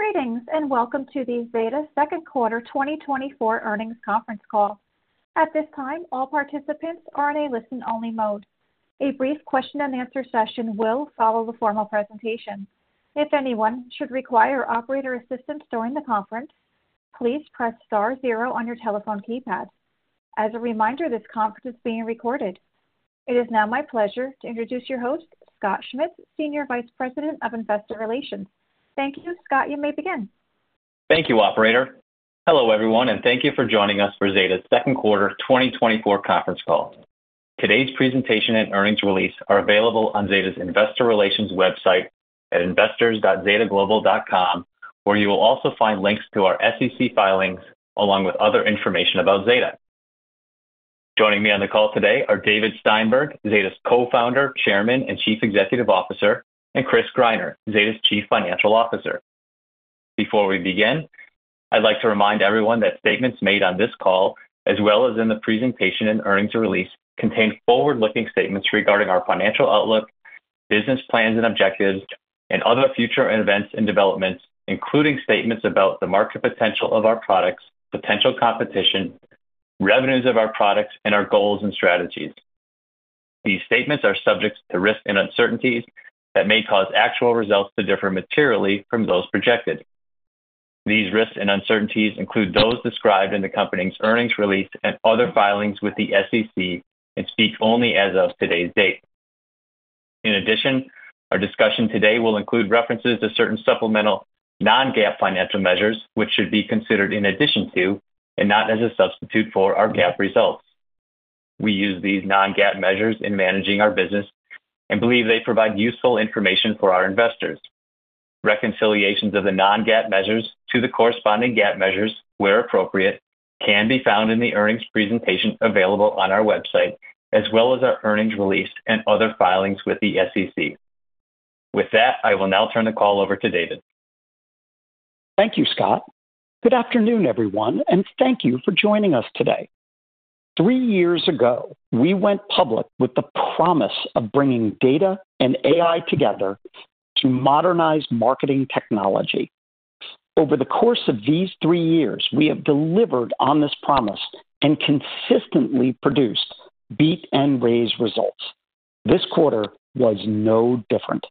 Greetings, and welcome to the Zeta Second Quarter 2024 Earnings Conference Call. At this time, all participants are in a listen-only mode. A brief question-and-answer session will follow the formal presentation. If anyone should require operator assistance during the conference, please press star zero on your telephone keypad. As a reminder, this conference is being recorded. It is now my pleasure to introduce your host, Scott Schmitz, Senior Vice President of Investor Relations. Thank you. Scott, you may begin. Thank you, operator. Hello, everyone, and thank you for joining us for Zeta's second quarter 2024 conference call. Today's presentation and earnings release are available on Zeta's investor relations website at investors.zetaglobal.com, where you will also find links to our SEC filings, along with other information about Zeta. Joining me on the call today are David Steinberg, Zeta's Co-Founder, Chairman, and Chief Executive Officer, and Chris Greiner, Zeta's Chief Financial Officer. Before we begin, I'd like to remind everyone that statements made on this call, as well as in the presentation and earnings release, contain forward-looking statements regarding our financial outlook, business plans and objectives, and other future events and developments, including statements about the market potential of our products, potential competition, revenues of our products, and our goals and strategies. These statements are subject to risks and uncertainties that may cause actual results to differ materially from those projected. These risks and uncertainties include those described in the company's earnings release and other filings with the SEC and speak only as of today's date. In addition, our discussion today will include references to certain supplemental non-GAAP financial measures, which should be considered in addition to and not as a substitute for, our GAAP results. We use these non-GAAP measures in managing our business and believe they provide useful information for our investors. Reconciliations of the non-GAAP measures to the corresponding GAAP measures, where appropriate, can be found in the earnings presentation available on our website, as well as our earnings release and other filings with the SEC. With that, I will now turn the call over to David. Thank you, Scott. Good afternoon, everyone, and thank you for joining us today. Three years ago, we went public with the promise of bringing data and AI together to modernize marketing technology. Over the course of these three years, we have delivered on this promise and consistently produced, beat, and raised results. This quarter was no different.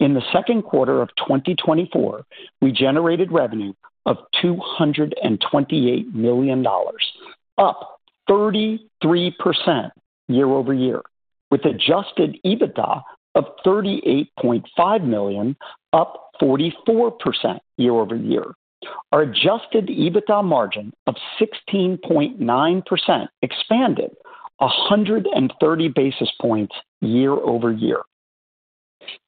In the second quarter of 2024, we generated revenue of $228 million, up 33% year-over-year, with Adjusted EBITDA of $38.5 million, up 44% year-over-year. Our Adjusted EBITDA margin of 16.9% expanded 130 basis points year-over-year.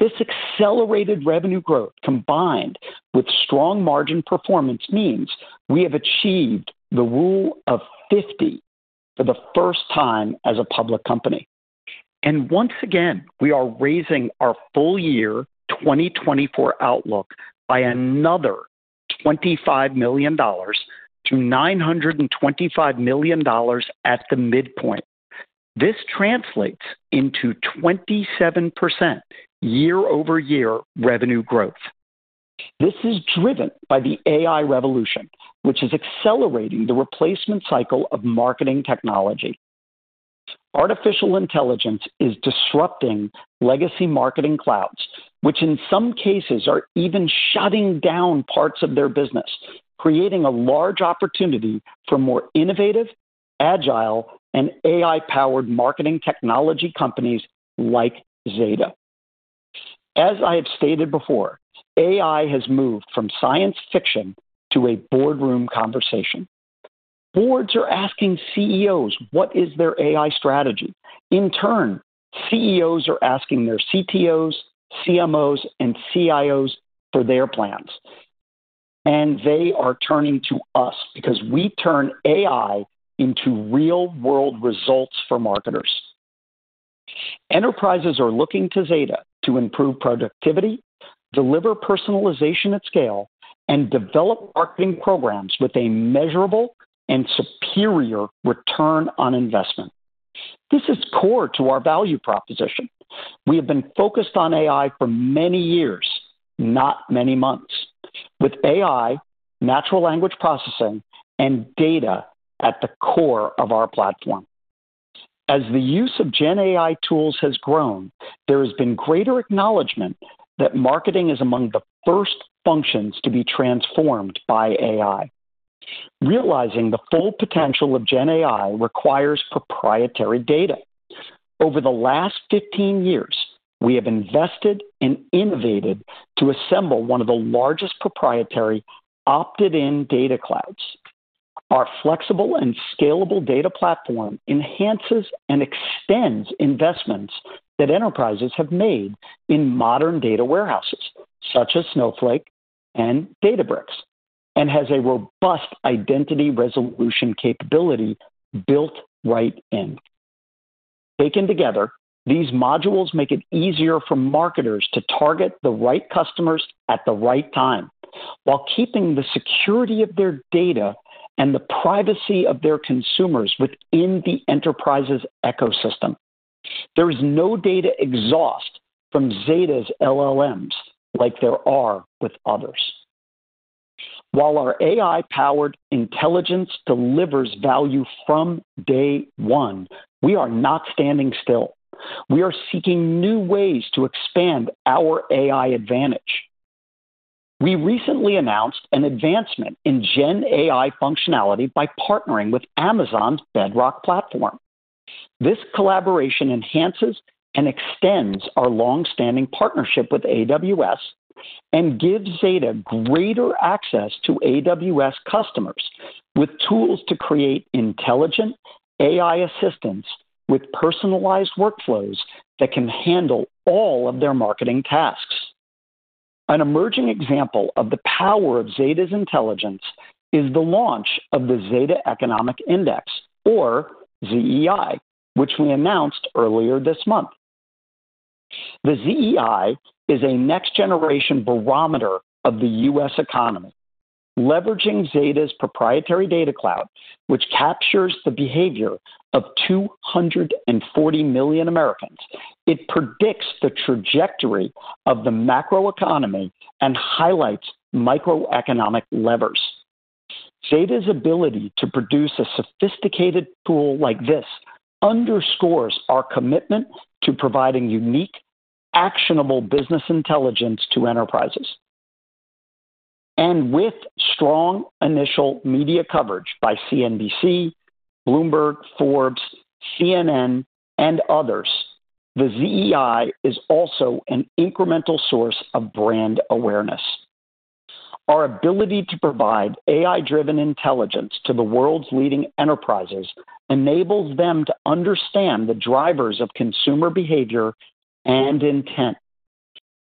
This accelerated revenue growth, combined with strong margin performance, means we have achieved the Rule of 50 for the first time as a public company. Once again, we are raising our full year 2024 outlook by another $25 million to $925 million at the midpoint. This translates into 27% year-over-year revenue growth. This is driven by the AI revolution, which is accelerating the replacement cycle of marketing technology. Artificial intelligence is disrupting legacy marketing clouds, which in some cases, are even shutting down parts of their business, creating a large opportunity for more innovative, agile, and AI-powered marketing technology companies like Zeta. As I have stated before, AI has moved from science fiction to a boardroom conversation. Boards are asking CEOs, what is their AI strategy? In turn, CEOs are asking their CTOs, CMOs, and CIOs for their plans, and they are turning to us because we turn AI into real-world results for marketers. Enterprises are looking to Zeta to improve productivity, deliver personalization at scale, and develop marketing programs with a measurable and superior return on investment. This is core to our value proposition. We have been focused on AI for many years, not many months, with AI, natural language processing, and data at the core of our platform. As the use of GenAI tools has grown, there has been greater acknowledgment that marketing is among the first functions to be transformed by AI. Realizing the full potential of GenAI requires proprietary data. Over the last 15 years, we have invested and innovated to assemble one of the largest proprietary opted-in data clouds. Our flexible and scalable data platform enhances and extends investments that enterprises have made in modern data warehouses, such as Snowflake and Databricks, and has a robust identity resolution capability built right in. Taken together, these modules make it easier for marketers to target the right customers at the right time, while keeping the security of their data and the privacy of their consumers within the enterprise's ecosystem. There is no data exhaust from Zeta's LLMs like there are with others. While our AI-powered intelligence delivers value from day one, we are not standing still. We are seeking new ways to expand our AI advantage. We recently announced an advancement in GenAI functionality by partnering with Amazon Bedrock platform. This collaboration enhances and extends our long-standing partnership with AWS and gives Zeta greater access to AWS customers, with tools to create intelligent AI assistants with personalized workflows that can handle all of their marketing tasks. An emerging example of the power of Zeta's intelligence is the launch of the Zeta Economic Index, or ZEI, which we announced earlier this month. The ZEI is a next-generation barometer of the U.S. economy, leveraging Zeta's proprietary Data Cloud, which captures the behavior of 240 million Americans. It predicts the trajectory of the macroeconomy and highlights microeconomic levers. Zeta's ability to produce a sophisticated tool like this underscores our commitment to providing unique, actionable business intelligence to enterprises. With strong initial media coverage by CNBC, Bloomberg, Forbes, CNN, and others, the ZEI is also an incremental source of brand awareness. Our ability to provide AI-driven intelligence to the world's leading enterprises enables them to understand the drivers of consumer behavior and intent.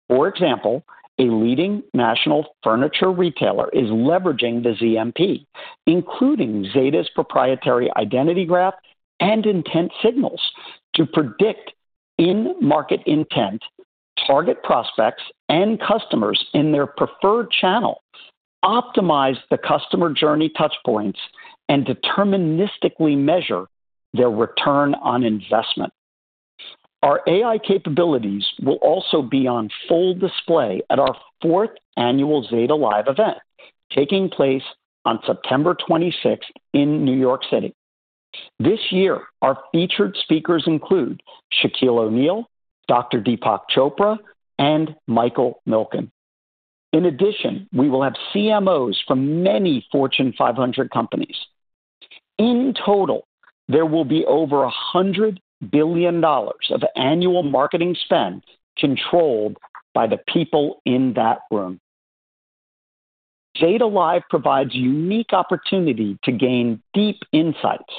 For example, a leading national furniture retailer is leveraging the ZMP, including Zeta's proprietary identity graph and intent signals, to predict in-market intent, target prospects and customers in their preferred channel, optimize the customer journey touchpoints, and deterministically measure their return on investment. Our AI capabilities will also be on full display at our fourth annual ZetaLive event, taking place on September 26th in New York City. This year, our featured speakers include Shaquille O'Neal, Dr. Deepak Chopra, and Michael Milken. In addition, we will have CMOs from many Fortune 500 companies. In total, there will be over $100 billion of annual marketing spend controlled by the people in that room. ZetaLive provides unique opportunity to gain deep insights,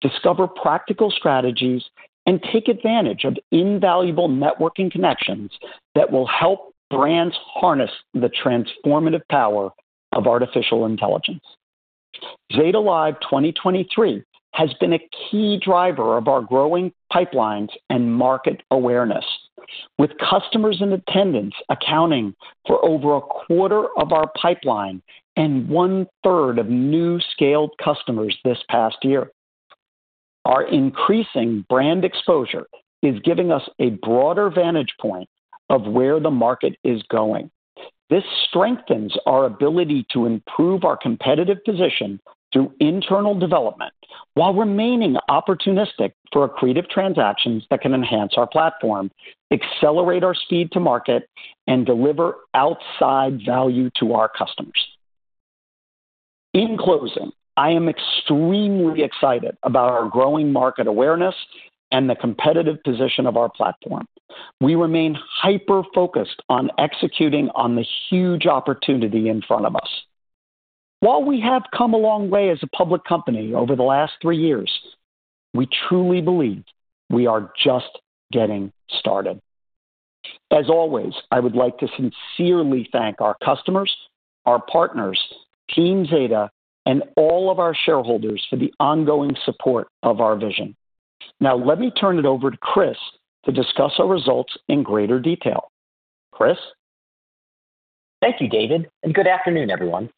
discover practical strategies, and take advantage of invaluable networking connections that will help brands harness the transformative power of artificial intelligence. ZetaLive 2023 has been a key driver of our growing pipelines and market awareness, with customers in attendance accounting for over a quarter of our pipeline and one-third of new scaled customers this past year. Our increasing brand exposure is giving us a broader vantage point of where the market is going. This strengthens our ability to improve our competitive position through internal development, while remaining opportunistic for accretive transactions that can enhance our platform, accelerate our speed to market, and deliver outside value to our customers. In closing, I am extremely excited about our growing market awareness and the competitive position of our platform. We remain hyper-focused on executing on the huge opportunity in front of us. While we have come a long way as a public company over the last three years, we truly believe we are just getting started. As always, I would like to sincerely thank our customers, our partners, Team Zeta, and all of our shareholders for the ongoing support of our vision. Now, let me turn it over to Chris to discuss our results in greater detail. Chris? Thank you, David, and good afternoon, everyone.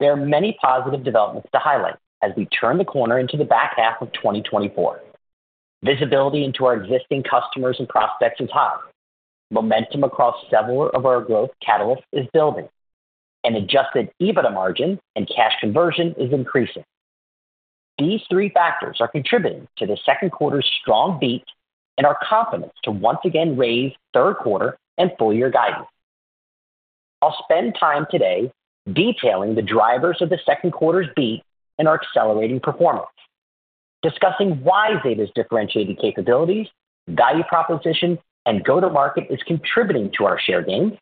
There are many positive developments to highlight as we turn the corner into the back half of 2024. Visibility into our existing customers and prospects is high. Momentum across several of our growth catalysts is building. Adjusted EBITDA margin and cash conversion is increasing. These three factors are contributing to the second quarter's strong beat and our confidence to once again raise third quarter and full year guidance. I'll spend time today detailing the drivers of the second quarter's beat and our accelerating performance, discussing why Zeta's differentiated capabilities, value proposition, and go-to-market is contributing to our share gains,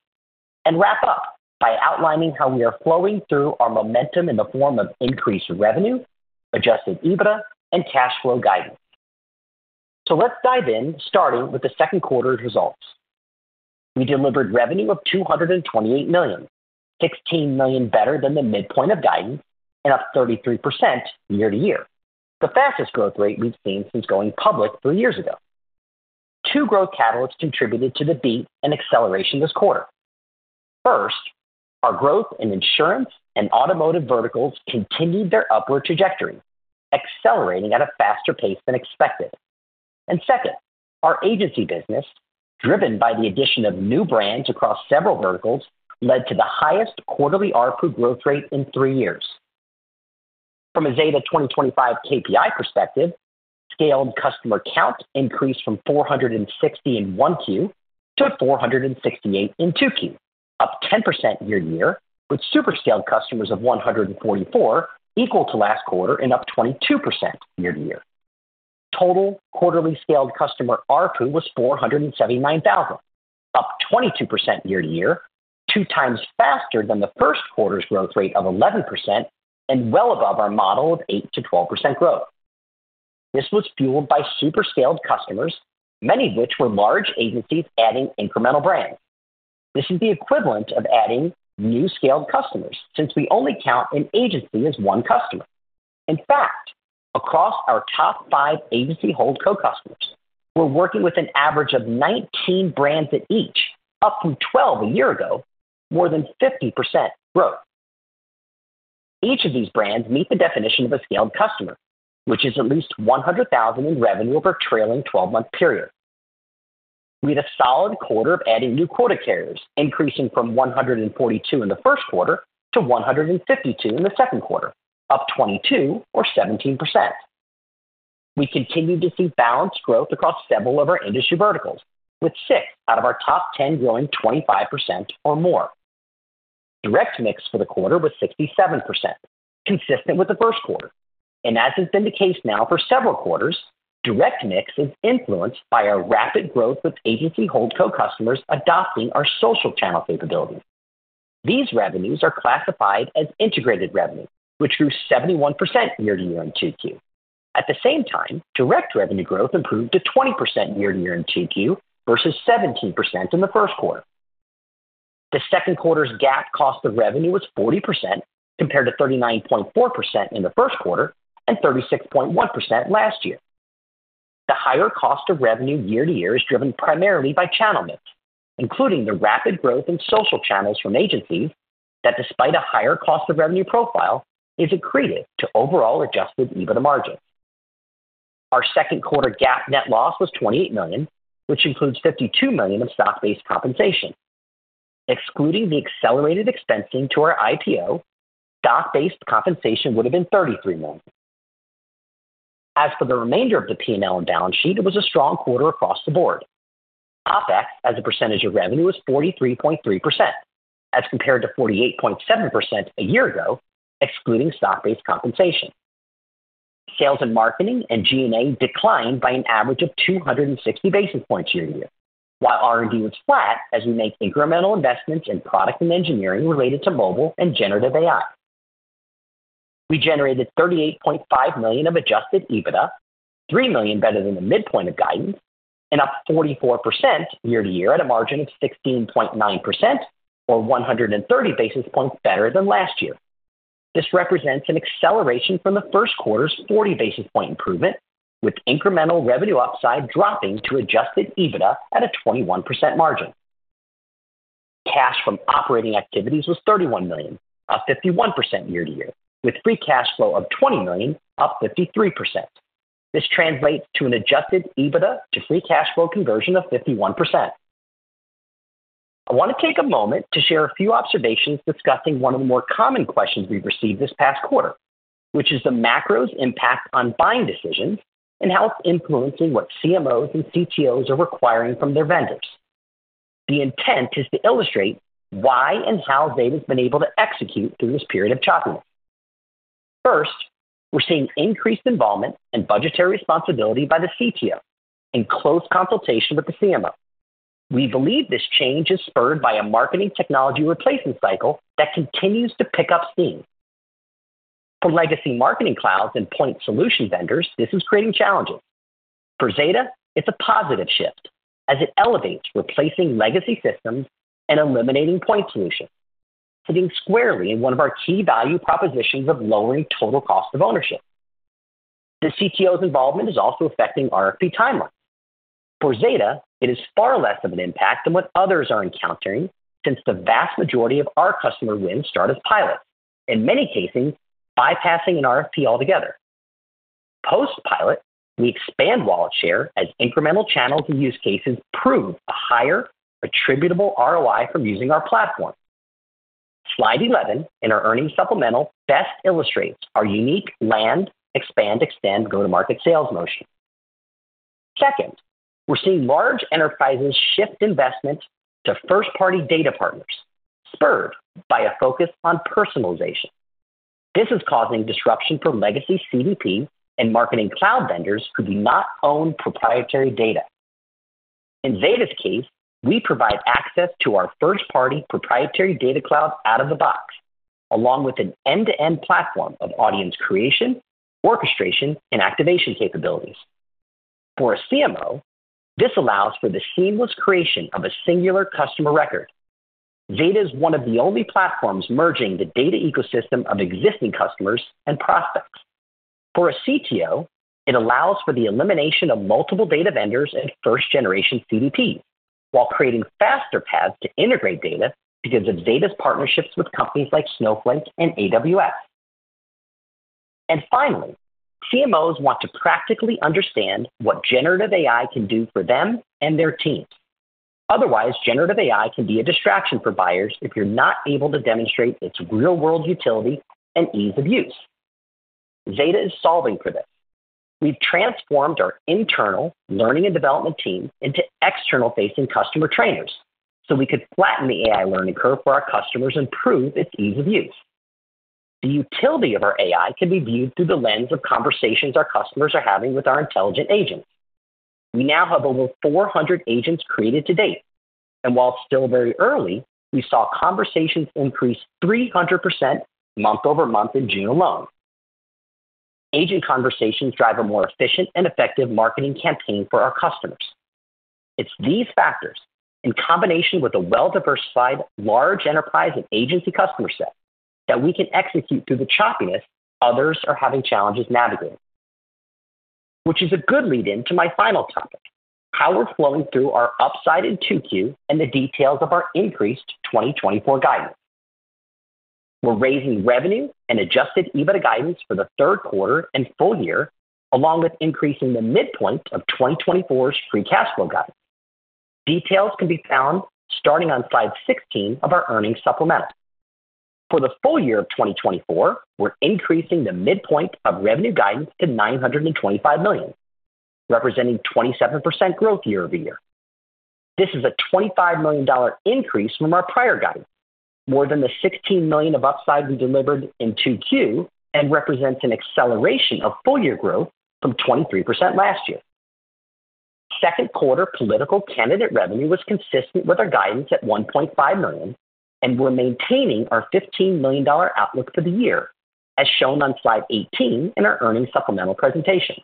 and wrap up by outlining how we are flowing through our momentum in the form of increased revenue, Adjusted EBITDA, and cash flow guidance. Let's dive in, starting with the second quarter's results. We delivered revenue of $228 million, $16 million better than the midpoint of guidance and up 33% year-to-year, the fastest growth rate we've seen since going public 3 years ago. 2 growth catalysts contributed to the beat and acceleration this quarter. First, our growth in insurance and automotive verticals continued their upward trajectory, accelerating at a faster pace than expected. And second, our agency business, driven by the addition of new brands across several verticals, led to the highest quarterly ARPU growth rate in 3 years. From a Zeta 2025 KPI perspective, scaled customer count increased from 460 in 1Q to 468 in 2Q, up 10% year-to-year, with super scaled customers of 144, equal to last quarter and up 22% year-to-year. Total quarterly scaled customer ARPU was $479,000, up 22% year-over-year, 2 times faster than the first quarter's growth rate of 11% and well above our model of 8%-12% growth. This was fueled by super scaled customers, many of which were large agencies adding incremental brands. This is the equivalent of adding new scaled customers, since we only count an agency as one customer. In fact, across our top 5 Agency Holdco customers, we're working with an average of 19 brands at each, up from 12 a year ago, more than 50% growth. Each of these brands meet the definition of a scaled customer, which is at least $100,000 in revenue over a trailing twelve-month period. We had a solid quarter of adding new quota carriers, increasing from 142 in the first quarter to 152 in the second quarter, up 22 or 17%. We continued to see balanced growth across several of our industry verticals, with 6 out of our top 10 growing 25% or more. Direct mix for the quarter was 67%, consistent with the first quarter, and as has been the case now for several quarters, direct mix is influenced by our rapid growth of Agency Holdco customers adopting our social channel capabilities. These revenues are classified as integrated revenue, which grew 71% year-to-year in Q2. At the same time, direct revenue growth improved to 20% year to year in Q2 versus 17% in the first quarter. The second quarter's GAAP cost of revenue was 40%, compared to 39.4% in the first quarter and 36.1% last year. The higher cost of revenue year-over-year is driven primarily by channel mix, including the rapid growth in social channels from agencies that, despite a higher cost of revenue profile, is accretive to overall Adjusted EBITDA margin. Our second quarter GAAP net loss was $28 million, which includes $52 million of stock-based compensation. Excluding the accelerated expensing to our IPO, stock-based compensation would have been $33 million. As for the remainder of the P&L and balance sheet, it was a strong quarter across the board. OpEx, as a percentage of revenue, was 43.3%, as compared to 48.7% a year ago, excluding stock-based compensation. Sales and marketing and G&A declined by an average of 260 basis points year-over-year, while R&D was flat as we make incremental investments in product and engineering related to mobile and Generative AI. We generated $38.5 million of Adjusted EBITDA, $3 million better than the midpoint of guidance and up 44% year-over-year at a margin of 16.9% or 130 basis points better than last year. This represents an acceleration from the first quarter's 40 basis point improvement, with incremental revenue upside dropping to Adjusted EBITDA at a 21% margin. Cash from operating activities was $31 million, up 51% year-over-year, with Free Cash Flow of $20 million, up 53%. This translates to an Adjusted EBITDA to Free Cash Flow conversion of 51%. I want to take a moment to share a few observations discussing one of the more common questions we've received this past quarter, which is the macro's impact on buying decisions and how it's influencing what CMOs and CTOs are requiring from their vendors. The intent is to illustrate why and how Zeta's been able to execute through this period of choppiness. First, we're seeing increased involvement and budgetary responsibility by the CTO in close consultation with the CMO. We believe this change is spurred by a marketing technology replacement cycle that continues to pick up steam. For legacy marketing clouds and point solution vendors, this is creating challenges. For Zeta, it's a positive shift as it elevates replacing legacy systems and eliminating point solutions, sitting squarely in one of our key value propositions of lowering total cost of ownership. The CTO's involvement is also affecting RFP timelines. For Zeta, it is far less of an impact than what others are encountering, since the vast majority of our customer wins start as pilots, in many cases, bypassing an RFP altogether. Post-pilot, we expand wallet share as incremental channels and use cases prove a higher attributable ROI from using our platform. Slide 11 in our earnings supplemental best illustrates our unique land, expand, extend, go-to-market sales motion. Second, we're seeing large enterprises shift investment to first-party data partners, spurred by a focus on personalization. This is causing disruption for legacy CDP and marketing cloud vendors who do not own proprietary data. In Zeta's case, we provide access to our first-party proprietary data cloud out of the box, along with an end-to-end platform of audience creation, orchestration, and activation capabilities. For a CMO, this allows for the seamless creation of a singular customer record. Zeta is one of the only platforms merging the data ecosystem of existing customers and prospects. For a CTO, it allows for the elimination of multiple data vendors and first-generation CDPs, while creating faster paths to integrate data because of Zeta's partnerships with companies like Snowflake and AWS. And finally, CMOs want to practically understand what generative AI can do for them and their teams. Otherwise, generative AI can be a distraction for buyers if you're not able to demonstrate its real-world utility and ease of use. Zeta is solving for this. We've transformed our internal learning and development team into external-facing customer trainers, so we could flatten the AI learning curve for our customers and prove its ease of use. The utility of our AI can be viewed through the lens of conversations our customers are having with our intelligent agents. We now have over 400 agents created to date, and while it's still very early, we saw conversations increase 300% month-over-month in June alone. Agent conversations drive a more efficient and effective marketing campaign for our customers. It's these factors, in combination with a well-diversified, large enterprise and agency customer set, that we can execute through the choppiness others are having challenges navigating. Which is a good lead-in to my final topic: how we're flowing through our upside in 2Q and the details of our increased 2024 guidance. We're raising revenue and adjusted EBITDA guidance for the third quarter and full year, along with increasing the midpoint of 2024's free cash flow guidance. Details can be found starting on slide 16 of our earnings supplement. For the full year of 2024, we're increasing the midpoint of revenue guidance to $925 million, representing 27% growth year-over-year. This is a $25 million increase from our prior guidance, more than the $16 million of upside we delivered in 2Q, and represents an acceleration of full-year growth from 23% last year. Second quarter political candidate revenue was consistent with our guidance at $1.5 million, and we're maintaining our $15 million outlook for the year, as shown on slide 18 in our earnings supplemental presentation.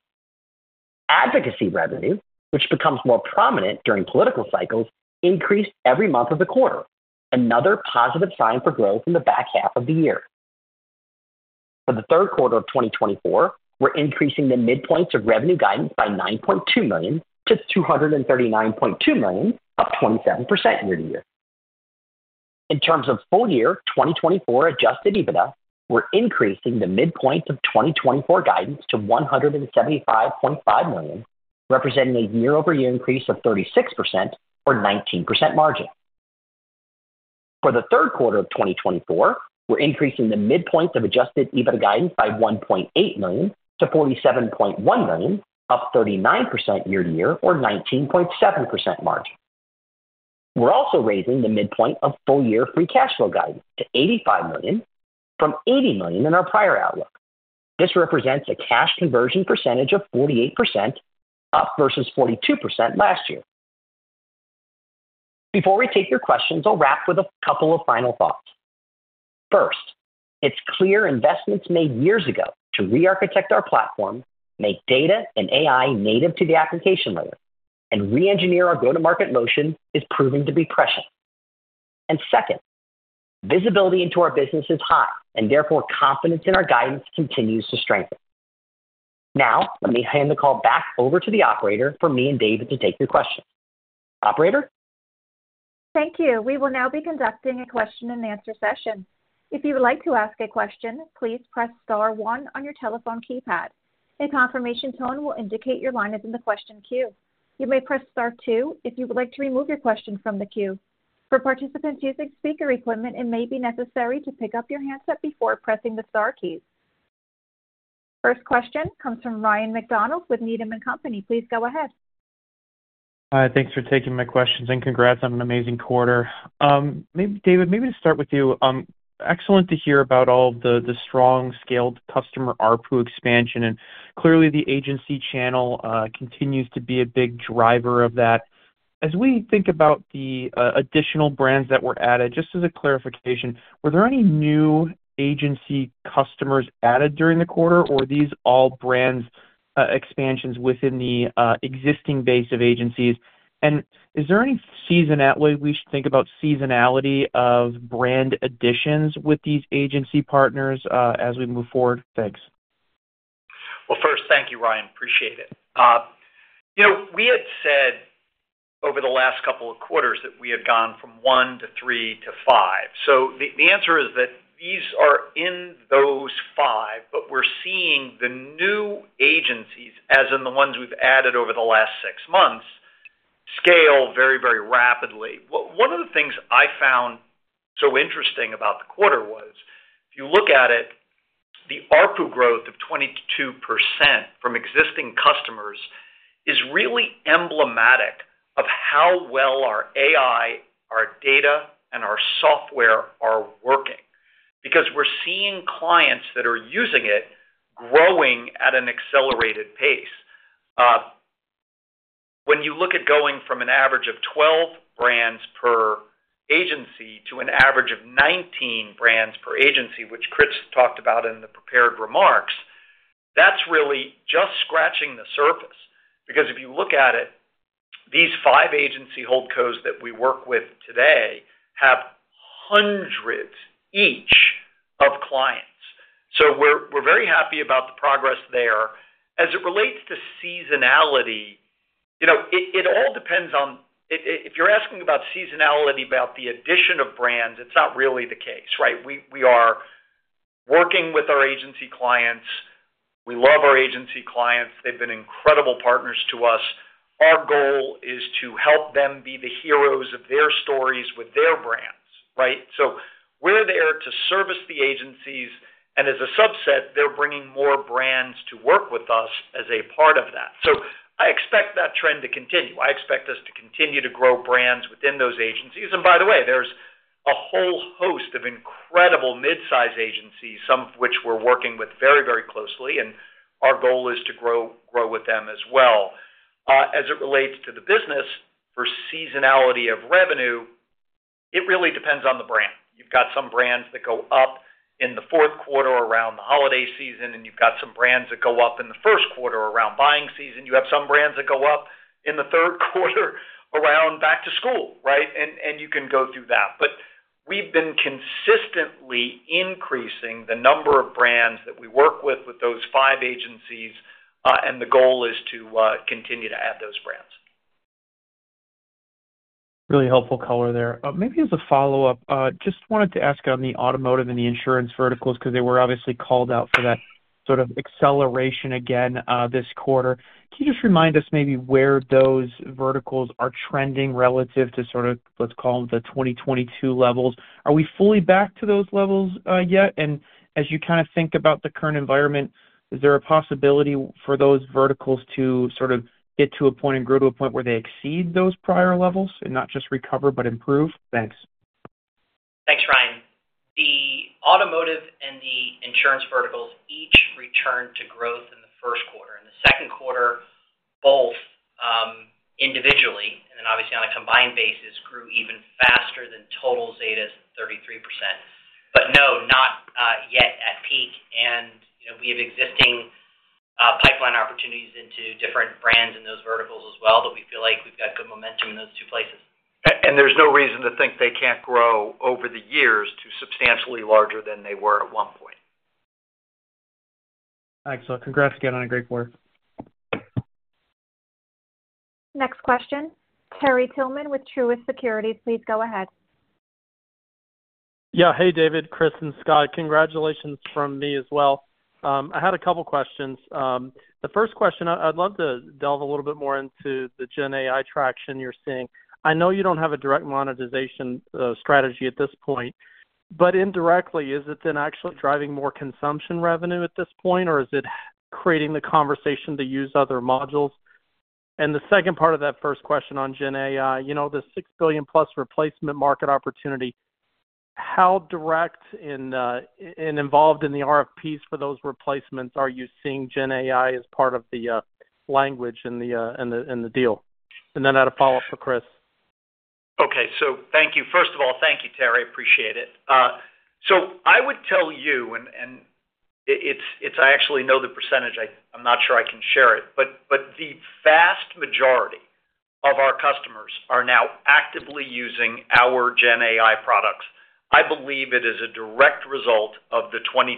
Advocacy revenue, which becomes more prominent during political cycles, increased every month of the quarter, another positive sign for growth in the back half of the year. For the third quarter of 2024, we're increasing the midpoints of revenue guidance by $9.2 million to $239.2 million, up 27% year-over-year. In terms of full year 2024 adjusted EBITDA, we're increasing the midpoint of 2024 guidance to $175.5 million, representing a year-over-year increase of 36% or 19% margin. For the third quarter of 2024, we're increasing the midpoint of adjusted EBITDA guidance by $1.8 million to $47.1 million, up 39% year-over-year or 19.7% margin. We're also raising the midpoint of full year free cash flow guidance to $85 million from $80 million in our prior outlook. This represents a cash conversion percentage of 48%, up versus 42% last year. Before we take your questions, I'll wrap with a couple of final thoughts. First, it's clear investments made years ago to rearchitect our platform, make data and AI native to the application layer, and reengineer our go-to-market motion is proving to be prescient. And second, visibility into our business is high, and therefore, confidence in our guidance continues to strengthen. Now, let me hand the call back over to the operator for me and David to take your questions. Operator? Thank you. We will now be conducting a question-and-answer session. If you would like to ask a question, please press star one on your telephone keypad. A confirmation tone will indicate your line is in the question queue. You may press star two if you would like to remove your question from the queue. For participants using speaker equipment, it may be necessary to pick up your handset before pressing the star keys. First question comes from Ryan MacDonald with Needham & Company. Please go ahead. Thanks for taking my questions, and congrats on an amazing quarter. Maybe David, maybe to start with you. Excellent to hear about all the strong scaled customer ARPU expansion, and clearly the agency channel continues to be a big driver of that. As we think about the additional brands that were added, just as a clarification, were there any new agency customers added during the quarter, or are these all brands expansions within the existing base of agencies? And is there any seasonality we should think about of brand additions with these agency partners as we move forward? Thanks. Well, first, thank you, Ryan. Appreciate it. You know, we had said over the last couple of quarters that we had gone from 1 to 3 to 5. So the answer is that these are in those five, but we're seeing the new agencies, as in the ones we've added over the last 6 months, scale very, very rapidly. One of the things I found so interesting about the quarter was, if you look at it, the ARPU growth of 22% from existing customers is really emblematic of how well our AI, our data, and our software are working, because we're seeing clients that are using it growing at an accelerated pace. When you look at going from an average of 12 brands per agency to an average of 19 brands per agency, which Chris talked about in the prepared remarks, that's really just scratching the surface. Because if you look at it, these five agency holdcos that we work with today have hundreds each of clients. So we're very happy about the progress there. As it relates to seasonality, you know, it all depends on if you're asking about seasonality, about the addition of brands, it's not really the case, right? We are working with our agency clients. We love our agency clients. They've been incredible partners to us. Our goal is to help them be the heroes of their stories with their brands, right? So we're there to service the agencies, and as a subset, they're bringing more brands to work with us as a part of that. So I expect that trend to continue. I expect us to continue to grow brands within those agencies. And by the way, there's a whole host of incredible mid-size agencies, some of which we're working with very, very closely, and our goal is to grow, grow with them as well. As it relates to the business for seasonality of revenue, it really depends on the brand. You've got some brands that go up in the fourth quarter around the holiday season, and you've got some brands that go up in the first quarter around buying season. You have some brands that go up in the third quarter around back to school, right? And you can go through that. We've been consistently increasing the number of brands that we work with, with those five agencies, and the goal is to continue to add those brands. Really helpful color there. Maybe as a follow-up, just wanted to ask on the automotive and the insurance verticals, 'cause they were obviously called out for that sort of acceleration again, this quarter. Can you just remind us maybe where those verticals are trending relative to sort of, let's call them, the 2022 levels? Are we fully back to those levels, yet? And as you kind of think about the current environment, is there a possibility for those verticals to sort of get to a point and grow to a point where they exceed those prior levels and not just recover, but improve? Thanks. Thanks, Ryan. The automotive and the insurance verticals each returned to growth in the first quarter. In the second quarter, both, individually, and then obviously on a combined basis, grew even faster than total Zeta's, 33%. But not yet at peak, and, you know, we have existing, pipeline opportunities into different brands in those verticals as well, but we feel like we've got good momentum in those two places. There's no reason to think they can't grow over the years to substantially larger than they were at one point. Excellent. Congrats again on a great quarter. Next question, Terry Tillman with Truist Securities. Please go ahead. Yeah. Hey, David, Chris, and Scott. Congratulations from me as well. I had a couple questions. The first question, I'd love to delve a little bit more into the GenAI traction you're seeing. I know you don't have a direct monetization strategy at this point, but indirectly, is it then actually driving more consumption revenue at this point, or is it creating the conversation to use other modules? And the second part of that first question on GenAI, you know, the $6 billion-plus replacement market opportunity, how direct and involved in the RFPs for those replacements are you seeing GenAI as part of the language in the deal? And then I had a follow-up for Chris. Okay, so thank you. First of all, thank you, Terry. I appreciate it. So I would tell you, and it's— I actually know the percentage. I'm not sure I can share it, but the vast majority of our customers are now actively using our GenAI products. I believe it is a direct result of the 22%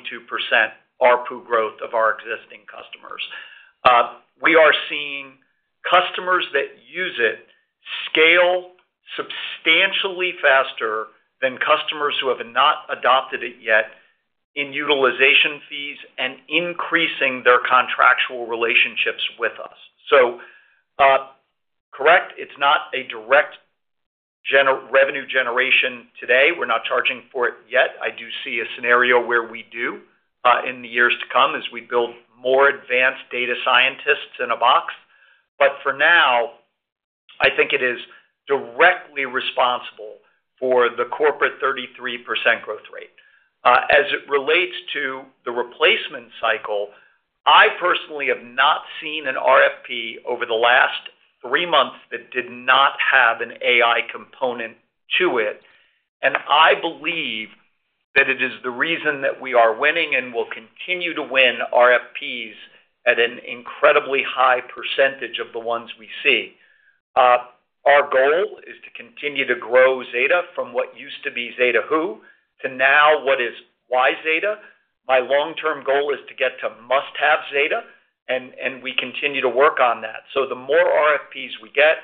ARPU growth of our existing customers. We are seeing customers that use it scale substantially faster than customers who have not adopted it yet in utilization fees and increasing their contractual relationships with us. So, correct, it's not a direct revenue generation today. We're not charging for it yet. I do see a scenario where we do, in the years to come as we build more advanced data scientists in a box. But for now, I think it is directly responsible for the corporate 33% growth rate. As it relates to the replacement cycle, I personally have not seen an RFP over the last three months that did not have an AI component to it. And I believe that it is the reason that we are winning and will continue to win RFPs at an incredibly high percentage of the ones we see. Our goal is to continue to grow Zeta from what used to be Zeta who, to now what is why Zeta. My long-term goal is to get to must-have Zeta, and, and we continue to work on that. So the more RFPs we get,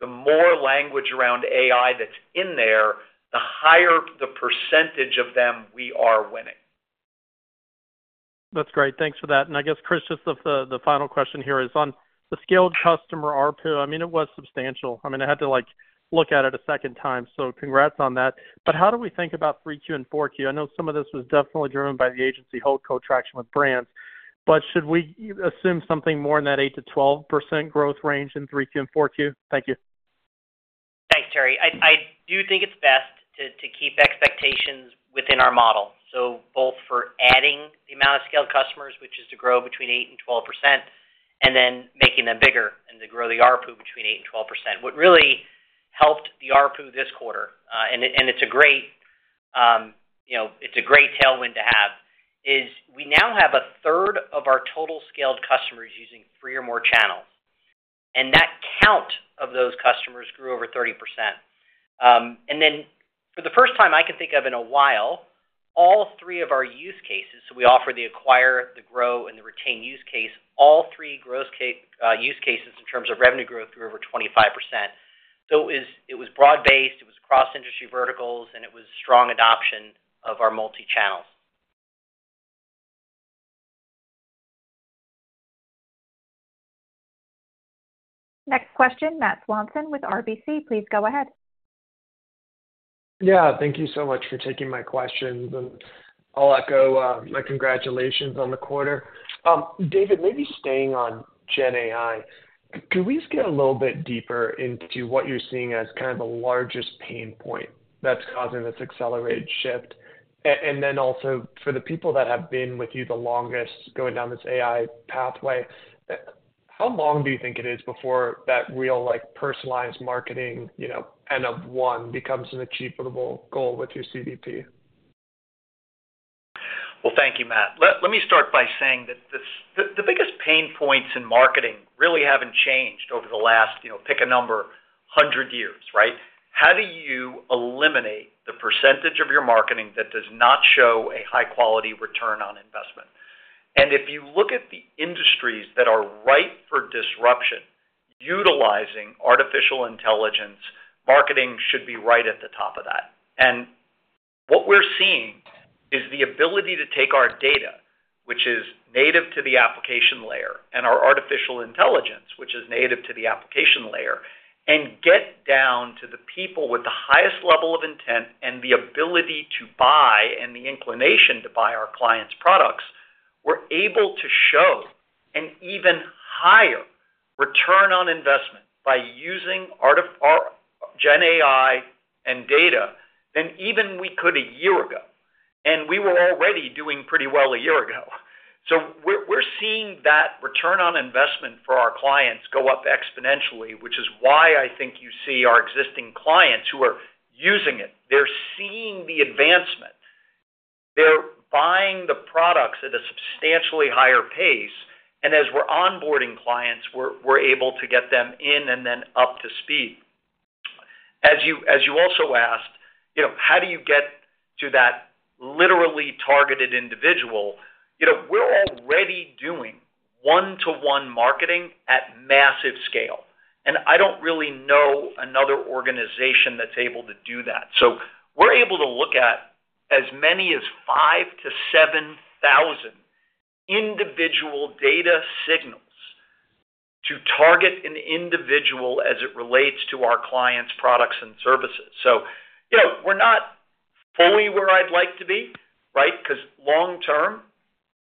the more language around AI that's in there, the higher the percentage of them we are winning. That's great. Thanks for that. And I guess, Chris, just the final question here is on the scaled customer ARPU. I mean, it was substantial. I mean, I had to, like, look at it a second time, so congrats on that. But how do we think about 3Q and 4Q? I know some of this was definitely driven by the agency holdco traction with brands, but should we assume something more in that 8%-12% growth range in 3Q and 4Q? Thank you. Thanks, Terry. I do think it's best to keep expectations within our model. So both for adding the amount of scaled customers, which is to grow between 8%-12%, and then making them bigger and to grow the ARPU between 8%-12%. What really helped the ARPU this quarter, now have a third of our total scaled customers using 3 or more channels, and that count of those customers grew over 30%. And then for the first time I can think of in a while, all three of our use cases, so we offer the acquire, the grow, and the retain use case, all three use cases in terms of revenue growth, grew over 25%. It was, it was broad-based, it was cross-industry verticals, and it was strong adoption of our multi-channels. Next question, Matt Swanson with RBC. Please go ahead. Yeah, thank you so much for taking my questions, and I'll echo my congratulations on the quarter. David, maybe staying on GenAI, could we just get a little bit deeper into what you're seeing as kind of the largest pain point that's causing this accelerated shift? And then also, for the people that have been with you the longest, going down this AI pathway, how long do you think it is before that real, like, personalized marketing, you know, N of one, becomes an achievable goal with your CDP? Well, thank you, Matt. Let me start by saying that this, the biggest pain points in marketing really haven't changed over the last, you know, pick a number, 100 years, right? How do you eliminate the percentage of your marketing that does not show a high-quality return on investment? And if you look at the industries that are ripe for disruption, utilizing artificial intelligence, marketing should be right at the top of that. And what we're seeing is the ability to take our data, which is native to the application layer, and our artificial intelligence, which is native to the application layer, and get down to the people with the highest level of intent and the ability to buy and the inclination to buy our clients' products. We're able to show an even higher return on investment by using our GenAI and data than even we could a year ago, and we were already doing pretty well a year ago. So we're seeing that return on investment for our clients go up exponentially, which is why I think you see our existing clients who are using it, they're seeing the advancement. They're buying the products at a substantially higher pace, and as we're onboarding clients, we're able to get them in and then up to speed. As you also asked, you know, how do you get to that literally targeted individual? You know, we're already doing one-to-one marketing at massive scale, and I don't really know another organization that's able to do that. So we're able to look at as many as 5,000-7,000 individual data signals to target an individual as it relates to our clients' products and services. So, you know, we're not fully where I'd like to be, right? Because long term,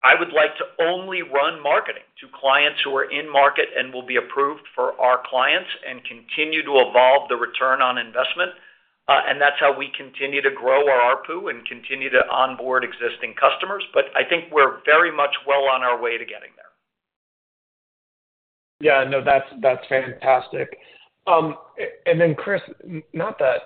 I would like to only run marketing to clients who are in market and will be approved for our clients and continue to evolve the return on investment, and that's how we continue to grow our ARPU and continue to onboard existing customers. But I think we're very much well on our way to getting there. Yeah. No, that's, that's fantastic. And then, Chris, not that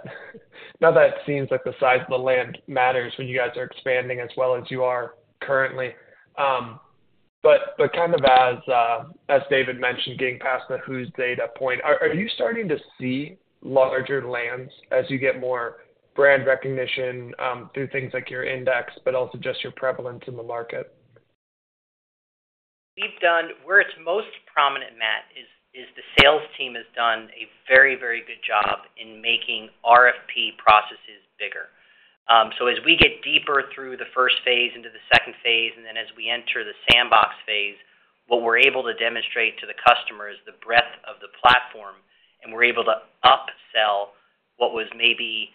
it seems like the size of the land matters when you guys are expanding as well as you are currently, but kind of as David mentioned, getting past the whose data point, are you starting to see larger lands as you get more brand recognition through things like your index, but also just your prevalence in the market? We've done where it's most prominent, Matt, is the sales team has done a very, very good job in making RFP processes bigger. So as we get deeper through the first phase into the second phase, and then as we enter the sandbox phase, what we're able to demonstrate to the customer is the breadth of the platform, and we're able to upsell what was maybe,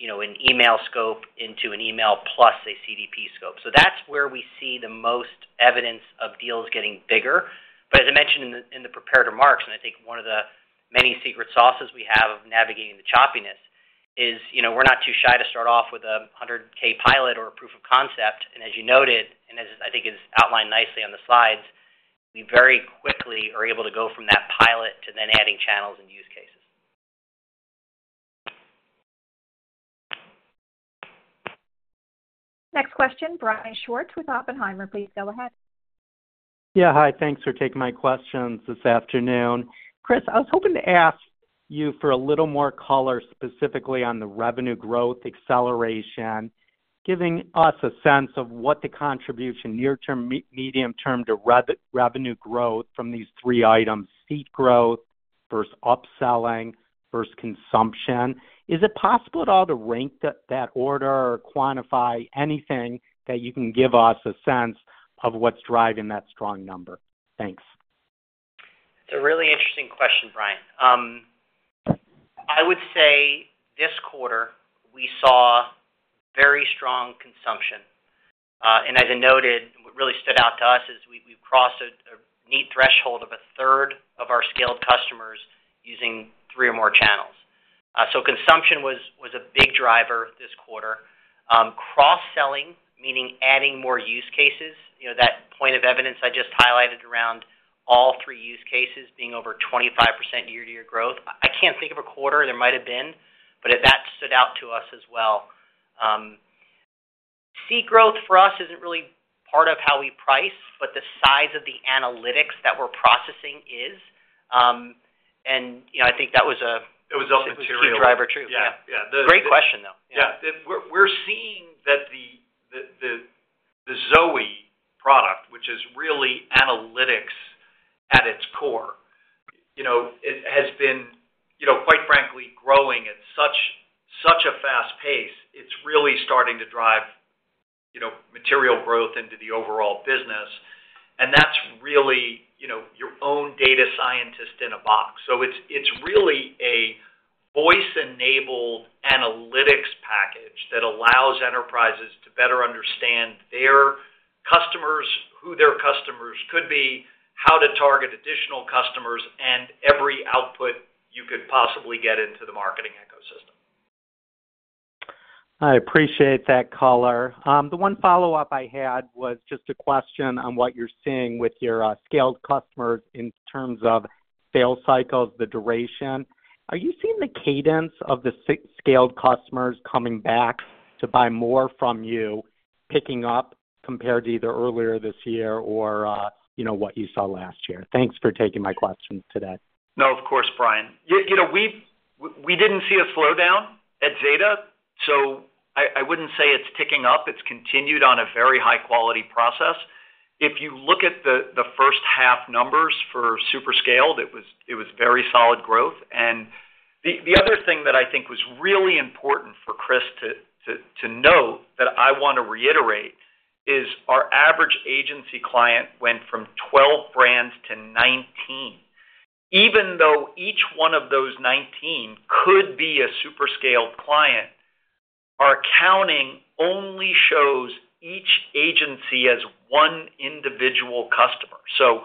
you know, an email scope into an email plus a CDP scope. So that's where we see the most evidence of deals getting bigger. But as I mentioned in the prepared remarks, and I think one of the many secret sauces we have of navigating the choppiness is, you know, we're not too shy to start off with a $100K pilot or a proof of concept. As you noted, and as I think it is outlined nicely on the slides, we very quickly are able to go from that pilot to then adding channels and use cases. Next question, Brian Schwartz with Oppenheimer. Please go ahead. Yeah, hi. Thanks for taking my questions this afternoon. Chris, I was hoping to ask you for a little more color, specifically on the revenue growth acceleration, giving us a sense of what the contribution, near-term, medium-term to revenue growth from these three items, fee growth versus upselling versus consumption. Is it possible at all to rank that order or quantify anything that you can give us a sense of what's driving that strong number? Thanks. It's a really interesting question, Brian. I would say this quarter we saw very strong consumption, and as I noted, what really stood out to us is we've crossed a neat threshold of a third of our scaled customers using three or more channels. So consumption was a big driver this quarter. Cross-selling, meaning adding more use cases, you know, that point of evidence I just highlighted around three use cases being over 25% year-to-year growth. I can't think of a quarter, there might have been, but that stood out to us as well. Seat growth for us isn't really part of how we price, but the size of the analytics that we're processing is. And, you know, I think that was a- It was a material- - key driver, too. Yeah. Yeah. Great question, though. Yeah. We're seeing that the Zoe product, which is really analytics at its core, you know, it has been, you know, quite frankly, growing at such a fast pace. It's really starting to drive, you know, material growth into the overall business, and that's really, you know, your own data scientist in a box. So it's really a voice-enabled analytics package that allows enterprises to better understand their customers, who their customers could be, how to target additional customers, and every output you could possibly get into the marketing ecosystem. I appreciate that color. The one follow-up I had was just a question on what you're seeing with your scaled customers in terms of sales cycles, the duration. Are you seeing the cadence of the scaled customers coming back to buy more from you, picking up compared to either earlier this year or, you know, what you saw last year? Thanks for taking my questions today. No, of course, Brian. You know, we've we didn't see a slowdown at Zeta, so I wouldn't say it's ticking up. It's continued on a very high-quality process. If you look at the first half numbers for super scaled, it was very solid growth. And the other thing that I think was really important for Chris to note, that I want to reiterate, is our average agency client went from 12 brands to 19. Even though each one of those 19 could be a super scaled client, our accounting only shows each agency as one individual customer. So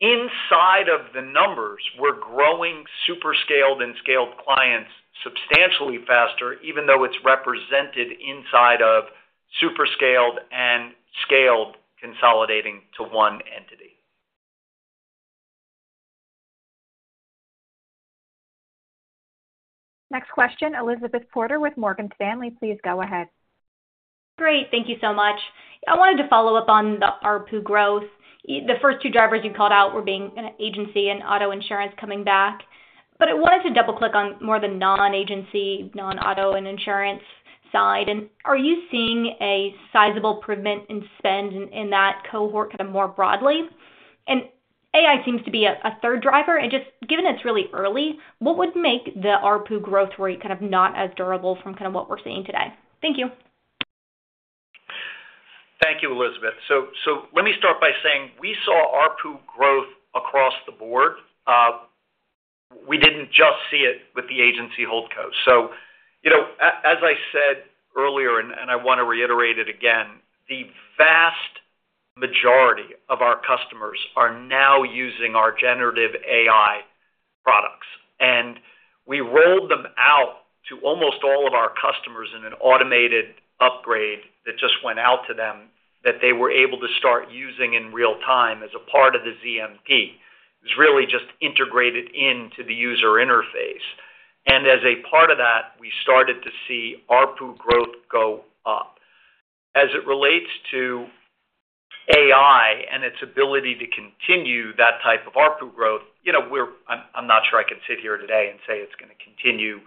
inside of the numbers, we're growing super scaled and scaled clients substantially faster, even though it's represented inside of super scaled and scaled, consolidating to one entity. Next question, Elizabeth Porter with Morgan Stanley. Please go ahead. Great. Thank you so much. I wanted to follow up on the ARPU growth. The first two drivers you called out were being an agency and auto insurance coming back. But I wanted to double-click on more of the non-agency, non-auto and insurance side. And are you seeing a sizable improvement in spend in that cohort kind of more broadly? And AI seems to be a third driver. And just given it's really early, what would make the ARPU growth rate kind of not as durable from kind of what we're seeing today? Thank you. Thank you, Elizabeth. So, let me start by saying we saw ARPU growth across the board. We didn't just see it with the Agency Holdco. So, you know, as I said earlier, and I want to reiterate it again, the vast majority of our customers are now using our generative AI products. And we rolled them out to almost all of our customers in an automated upgrade that just went out to them, that they were able to start using in real time as a part of the ZMP. It's really just integrated into the user interface. And as a part of that, we started to see ARPU growth go up. As it relates to AI and its ability to continue that type of ARPU growth, you know, I'm not sure I can sit here today and say it's gonna continue,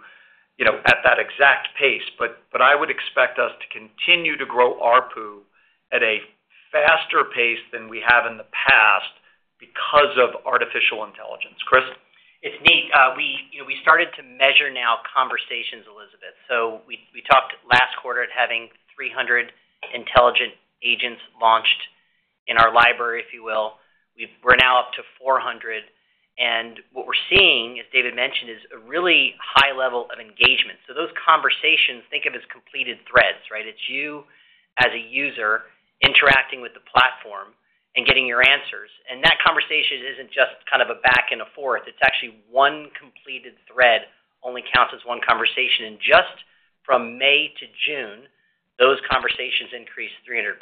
you know, at that exact pace, but I would expect us to continue to grow ARPU at a faster pace than we have in the past because of artificial intelligence. Chris? It's neat. We, you know, we started to measure now conversations, Elizabeth. So we, we talked last quarter at having 300 intelligent agents launched in our library, if you will. We're now up to 400, and what we're seeing, as David mentioned, is a really high level of engagement. So those conversations, think of as completed threads, right? It's you, as a user, interacting with the platform and getting your answers, and that conversation isn't just kind of a back and forth, it's actually one completed thread, only counts as one conversation. And just from May to June, those conversations increased 300%.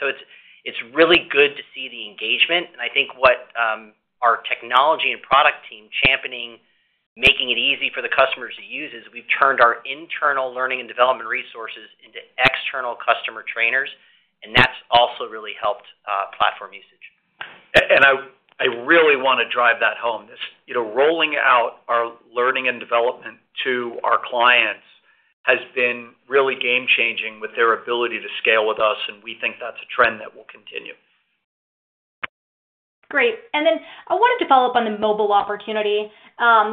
So it's, it's really good to see the engagement. I think what our technology and product team championing, making it easy for the customers to use, is we've turned our internal learning and development resources into external customer trainers, and that's also really helped platform usage. And I really wanna drive that home. This, you know, rolling out our learning and development to our clients has been really game-changing with their ability to scale with us, and we think that's a trend that will continue. Great. Then I wanted to follow up on the mobile opportunity,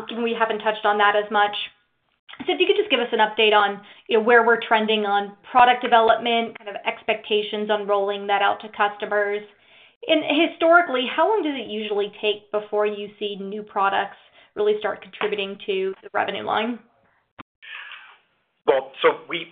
given we haven't touched on that as much. If you could just give us an update on, you know, where we're trending on product development, kind of expectations on rolling that out to customers. Historically, how long does it usually take before you see new products really start contributing to the revenue line? Well, so we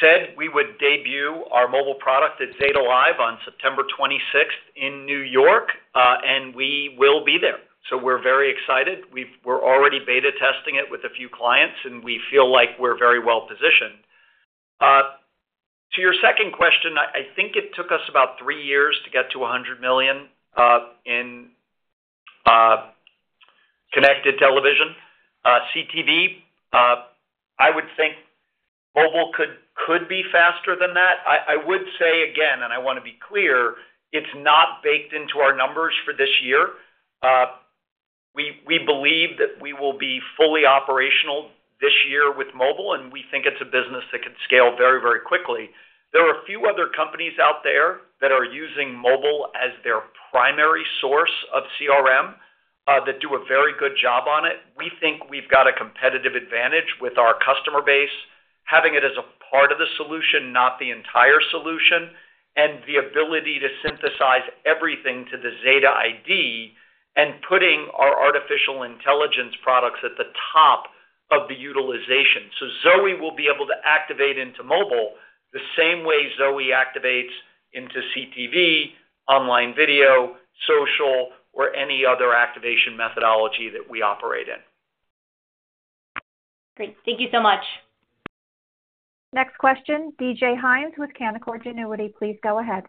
said we would debut our mobile product at ZetaLive on September 26th in New York, and we will be there. So we're very excited. We're already beta testing it with a few clients, and we feel like we're very well positioned. Your second question, I think it took us about 3 years to get to $100 million in connected television, CTV. I would think mobile could be faster than that. I would say again, and I want to be clear, it's not baked into our numbers for this year. We believe that we will be fully operational this year with mobile, and we think it's a business that could scale very, very quickly. There are a few other companies out there that are using mobile as their primary source of CRM, that do a very good job on it. We think we've got a competitive advantage with our customer base, having it as a part of the solution, not the entire solution, and the ability to synthesize everything to the Zeta ID, and putting our artificial intelligence products at the top of the utilization. So Zoe will be able to activate into mobile the same way Zoe activates into CTV, online video, social, or any other activation methodology that we operate in. Great. Thank you so much. Next question, DJ Hynes with Canaccord Genuity. Please go ahead.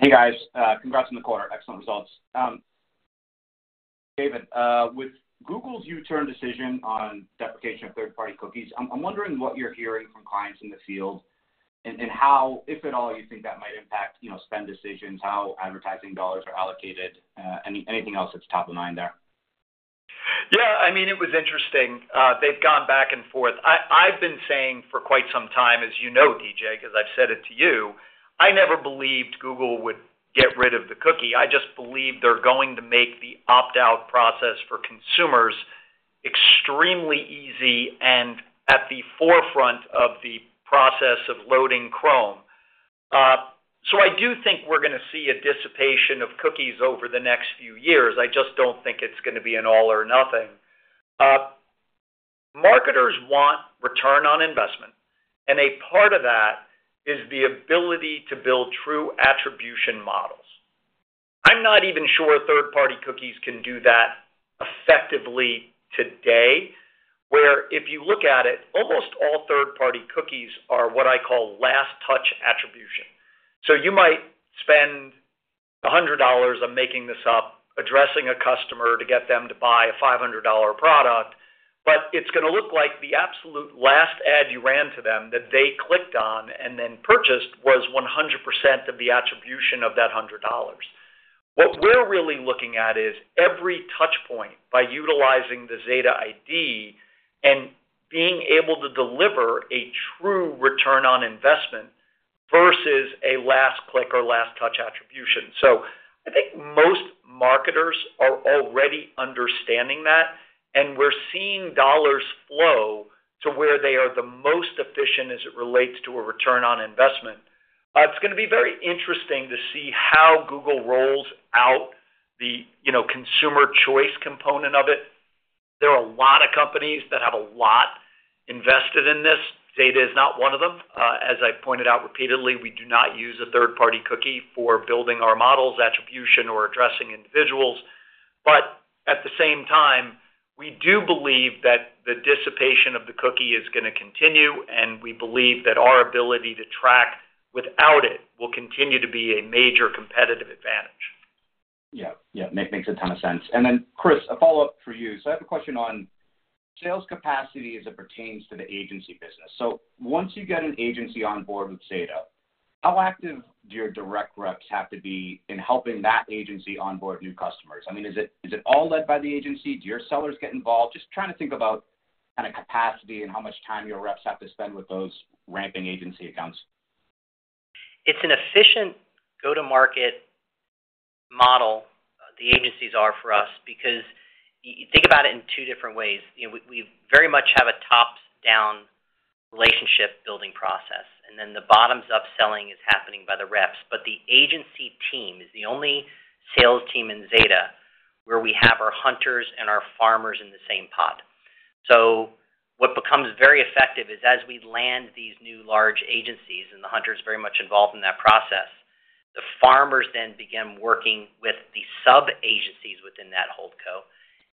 Hey, guys, congrats on the quarter. Excellent results. David, with Google's U-turn decision on deprecation of third-party cookies, I'm, I'm wondering what you're hearing from clients in the field and, and how, if at all, you think that might impact, you know, spend decisions, how advertising dollars are allocated, anything else that's top of mind there? Yeah, I mean, it was interesting. They've gone back and forth. I've been saying for quite some time, as you know, DJ, 'cause I've said it to you, I never believed Google would get rid of the cookie. I just believe they're going to make the opt-out process for consumers extremely easy and at the forefront of the process of loading Chrome. So I do think we're gonna see a dissipation of cookies over the next few years. I just don't think it's gonna be an all or nothing. Marketers want return on investment, and a part of that is the ability to build true attribution models. I'm not even sure third-party cookies can do that effectively today, where if you look at it, almost all third-party cookies are what I call last touch attribution. So you might spend $100, I'm making this up, addressing a customer to get them to buy a $500 product, but it's gonna look like the absolute last ad you ran to them that they clicked on and then purchased, was 100% of the attribution of that $100. What we're really looking at is every touch point by utilizing the Zeta ID, and being able to deliver a true return on investment versus a last click or last touch attribution. So I think most marketers are already understanding that, and we're seeing dollars flow to where they are the most efficient as it relates to a return on investment. It's gonna be very interesting to see how Google rolls out the, you know, consumer choice component of it. There are a lot of companies that have a lot invested in this. Zeta is not one of them. As I pointed out repeatedly, we do not use a third-party cookie for building our models, attribution, or addressing individuals. But at the same time, we do believe that the dissipation of the cookie is gonna continue, and we believe that our ability to track without it will continue to be a major competitive advantage. Yeah. Yeah, makes a ton of sense. And then, Chris, a follow-up for you. So I have a question on sales capacity as it pertains to the agency business. So once you get an agency on board with Zeta, how active do your direct reps have to be in helping that agency onboard new customers? I mean, is it all led by the agency? Do your sellers get involved? Just trying to think about kind of capacity and how much time your reps have to spend with those ramping agency accounts. It's an efficient go-to-market model, the agencies are for us, because you think about it in two different ways. You know, we, we very much have a top-down relationship building process, and then the bottoms-up selling is happening by the reps. But the agency team is the only sales team in Zeta, where we have our hunters and our farmers in the same pot. So what becomes very effective is as we land these new large agencies, and the hunters very much involved in that process, the farmers then begin working with the sub-agencies within that holdco,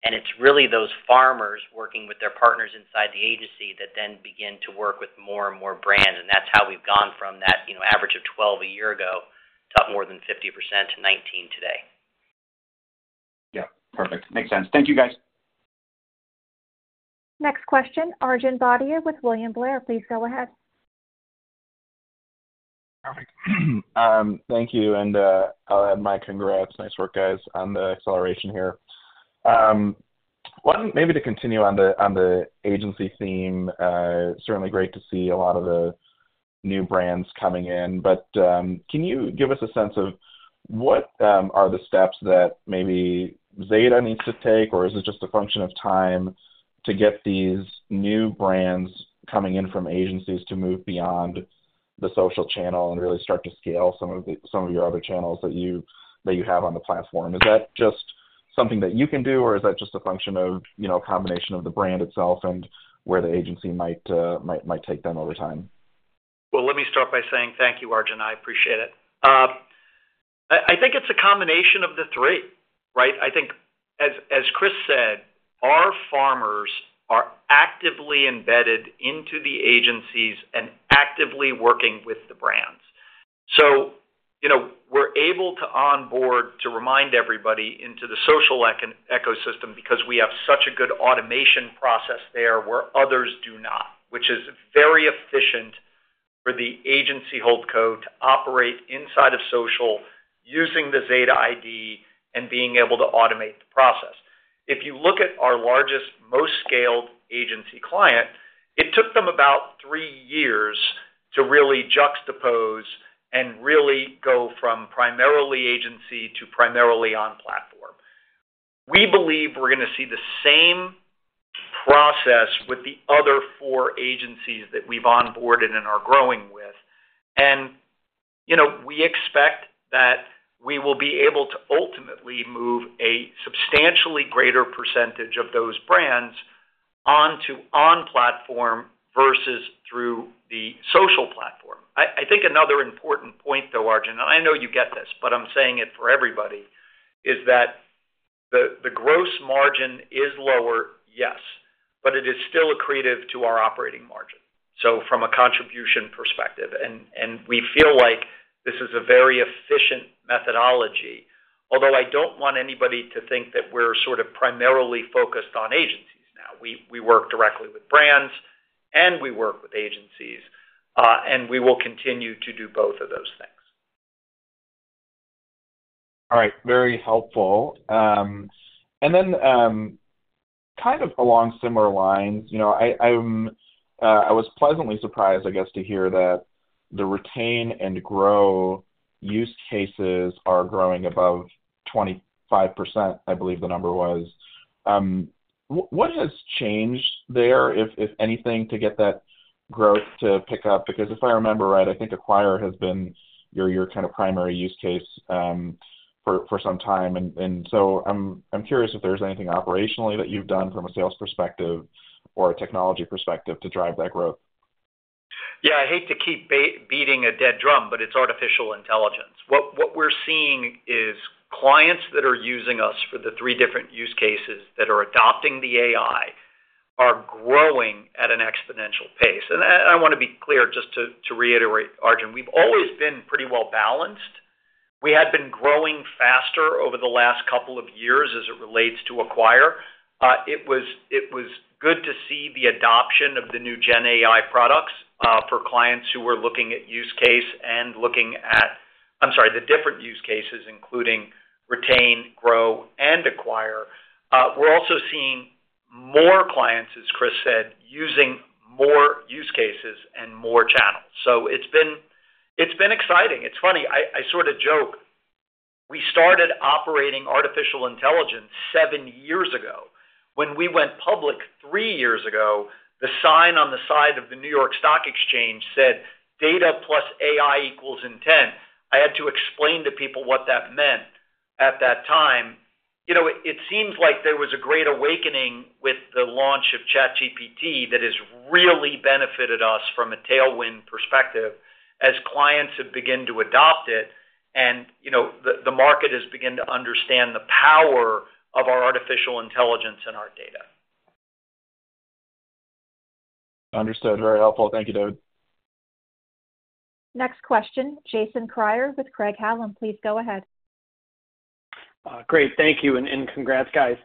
and it's really those farmers working with their partners inside the agency, that then begin to work with more and more brands, and that's how we've gone from that, you know, average of 12 a year ago, to up more than 50% to 19 today. Yeah, perfect. Makes sense. Thank you, guys. Next question, Arjun Bhatia with William Blair. Please go ahead. Perfect. Thank you, and I'll add my congrats. Nice work, guys, on the acceleration here. Maybe to continue on the agency theme, certainly great to see a lot of the new brands coming in, but can you give us a sense of what are the steps that maybe Zeta needs to take, or is it just a function of time to get these new brands coming in from agencies to move beyond the social channel and really start to scale some of your other channels that you have on the platform? Is that just something that you can do, or is that just a function of, you know, a combination of the brand itself and where the agency might take them over time? Well, let me start by saying thank you, Arjun. I appreciate it. I think it's a combination of the three, right? Are actively embedded into the agencies and actively working with the brands. So, you know, we're able to onboard, to remind everybody, into the social ecosystem because we have such a good automation process there, where others do not, which is very efficient for the Agency Holdco to operate inside of social, using the Zeta ID, and being able to automate the process. If you look at our largest, most scaled agency client, it took them about three years to really juxtapose and really go from primarily agency to primarily on-platform. We believe we're gonna see the same process with the other four agencies that we've onboarded and are growing with. You know, we expect that we will be able to ultimately move a substantially greater percentage of those brands onto on-platform versus through the social platform. I think another important point, though, Arjun, and I know you get this, but I'm saying it for everybody, is that the gross margin is lower, yes, but it is still accretive to our operating margin, so from a contribution perspective, and we feel like this is a very efficient methodology. Although, I don't want anybody to think that we're sort of primarily focused on agencies now. We work directly with brands, and we work with agencies, and we will continue to do both of those things. All right, very helpful. And then, kind of along similar lines, you know, I was pleasantly surprised, I guess, to hear that the retain and grow use cases are growing above 25%, I believe the number was. What has changed there, if anything, to get that growth to pick up? Because if I remember right, I think acquire has been your kind of primary use case for some time. And so I'm curious if there's anything operationally that you've done from a sales perspective or a technology perspective to drive that growth. Yeah, I hate to keep beating a dead drum, but it's artificial intelligence. What we're seeing is clients that are using us for the three different use cases that are adopting the AI are growing at an exponential pace. And I wanna be clear, just to reiterate, Arjun, we've always been pretty well balanced. We had been growing faster over the last couple of years as it relates to acquire. It was good to see the adoption of the new Gen AI products for clients who were looking at use case and looking at... I'm sorry, the different use cases, including retain, grow, and acquire. We're also seeing more clients, as Chris said, using more use cases and more channels. So it's been exciting. It's funny, I sort of joke, we started operating artificial intelligence seven years ago. When we went public three years ago, the sign on the side of the New York Stock Exchange said, "Data plus AI equals intent." I had to explain to people what that meant at that time. You know, it seems like there was a great awakening with the launch of ChatGPT that has really benefited us from a tailwind perspective, as clients have begun to adopt it, and, you know, the market has begun to understand the power of our artificial intelligence and our data. Understood. Very helpful. Thank you, David. Next question, Jason Kreyer with Craig-Hallum. Please go ahead. Great, thank you, and congrats, guys.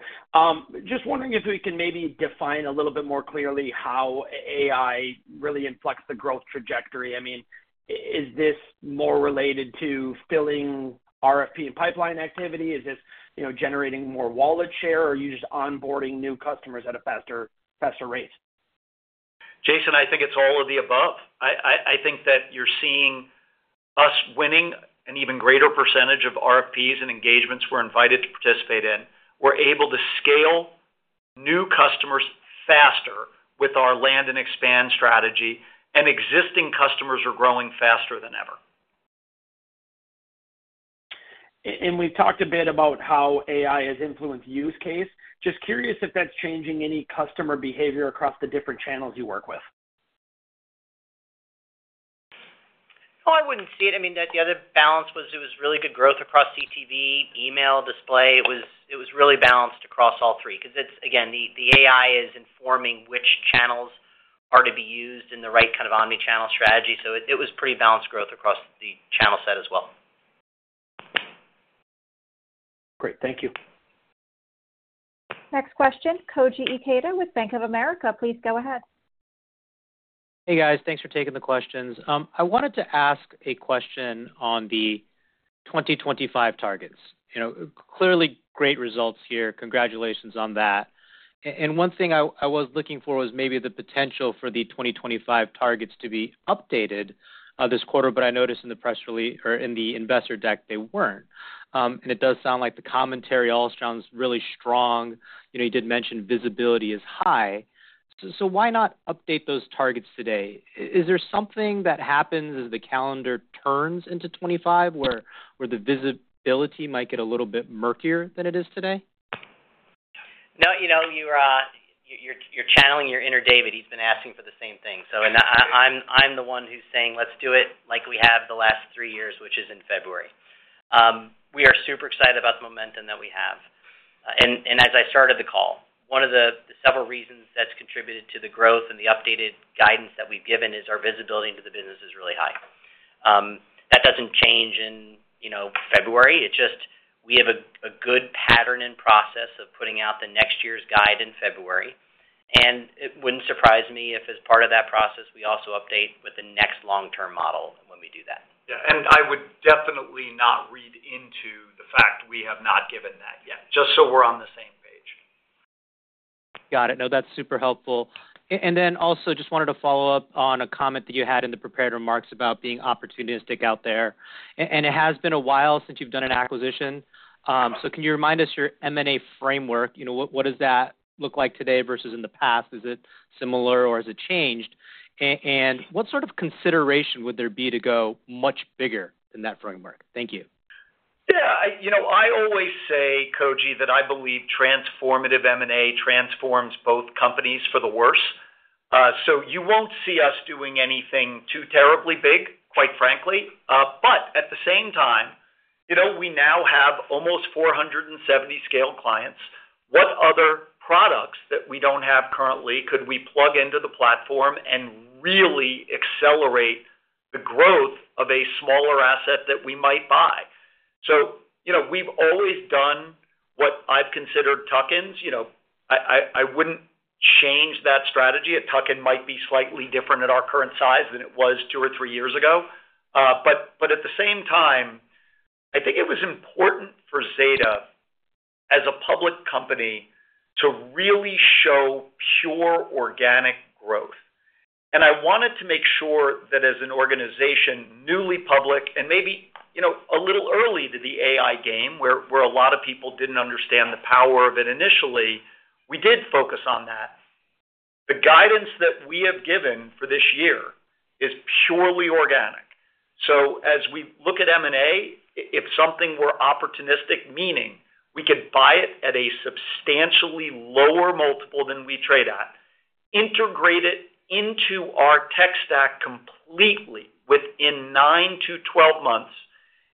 Just wondering if we can maybe define a little bit more clearly how AI really influences the growth trajectory. I mean, is this more related to filling RFP and pipeline activity? Is this, you know, generating more wallet share, or are you just onboarding new customers at a faster rate? Jason, I think it's all of the above. I think that you're seeing us winning an even greater percentage of RFPs and engagements we're invited to participate in. We're able to scale new customers faster with our land and expand strategy, and existing customers are growing faster than ever. We've talked a bit about how AI has influenced use case. Just curious if that's changing any customer behavior across the different channels you work with. No, I wouldn't see it. I mean, the other balance was really good growth across CTV, email, display. It was really balanced across all three. 'Cause it's, again, the AI is informing which channels are to be used in the right kind of omni-channel strategy, so it was pretty balanced growth across the channel set as well. Great, thank you. Next question, Koji Ikeda with Bank of America. Please go ahead. Hey, guys. Thanks for taking the questions. I wanted to ask a question on the 2025 targets. You know, clearly great results here. Congratulations on that. And one thing I was looking for was maybe the potential for the 2025 targets to be updated this quarter, but I noticed in the press release or in the investor deck, they weren't. And it does sound like the commentary all sounds really strong. You know, you did mention visibility is high. So why not update those targets today? Is there something that happens as the calendar turns into 2025, where the visibility might get a little bit murkier than it is today? No, you know, you're channeling your inner David. He's been asking for the same thing. So I’m the one who’s saying, "Let's do it like we have the last three years," which is in February. We are super excited about the momentum that we have. As I started the call, one of the several reasons that's contributed to the growth and the updated guidance that we've given is our visibility into the business is really high. That doesn't change in, you know, February. It's just we have a good pattern and process of putting out the next year's guide in February, and it wouldn't surprise me if, as part of that process, we also update with the next long-term model when we do that. Yeah, and I would definitely not read into the fact we have not given that yet, just so we're on the same page. Got it. No, that's super helpful. And then also just wanted to follow up on a comment that you had in the prepared remarks about being opportunistic out there. And it has been a while since you've done an acquisition. So can you remind us your M&A framework? You know, what does that look like today versus in the past? Is it similar, or has it changed? And what sort of consideration would there be to go much bigger than that framework? Thank you. Yeah, you know, I always say, Koji, that I believe transformative M&A transforms both companies for the worse. So you won't see us doing anything too terribly big, quite frankly. But at the same time, you know, we now have almost 470 scale clients. What other products that we don't have currently could we plug into the platform and really accelerate the growth of a smaller asset that we might buy? So, you know, we've always done what I've considered tuck-ins. You know, I wouldn't change that strategy. A tuck-in might be slightly different at our current size than it was two or three years ago. But at the same time, I think it was important for Zeta, as a public company, to really show pure organic growth. I wanted to make sure that as an organization, newly public and maybe, you know, a little early to the AI game, where a lot of people didn't understand the power of it initially, we did focus on that. The guidance that we have given for this year is purely organic. So as we look at M&A, if something were opportunistic, meaning we could buy it at a substantially lower multiple than we trade at, integrate it into our tech stack completely within 9-12 months,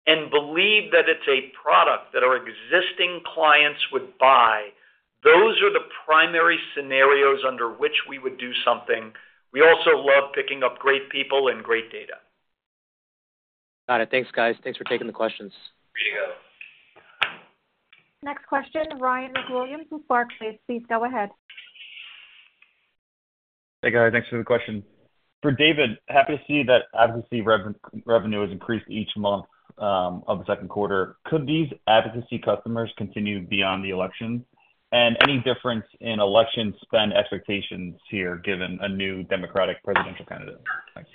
and believe that it's a product that our existing clients would buy, those are the primary scenarios under which we would do something. We also love picking up great people and great data. Got it. Thanks, guys. Thanks for taking the questions. There you go. Next question, Ryan MacWilliams with Barclays. Please go ahead. Hey, guys. Thanks for the question. For David, happy to see that advocacy revenue has increased each month of the second quarter. Could these advocacy customers continue beyond the election? And any difference in election spend expectations here, given a new Democratic presidential candidate? Thanks.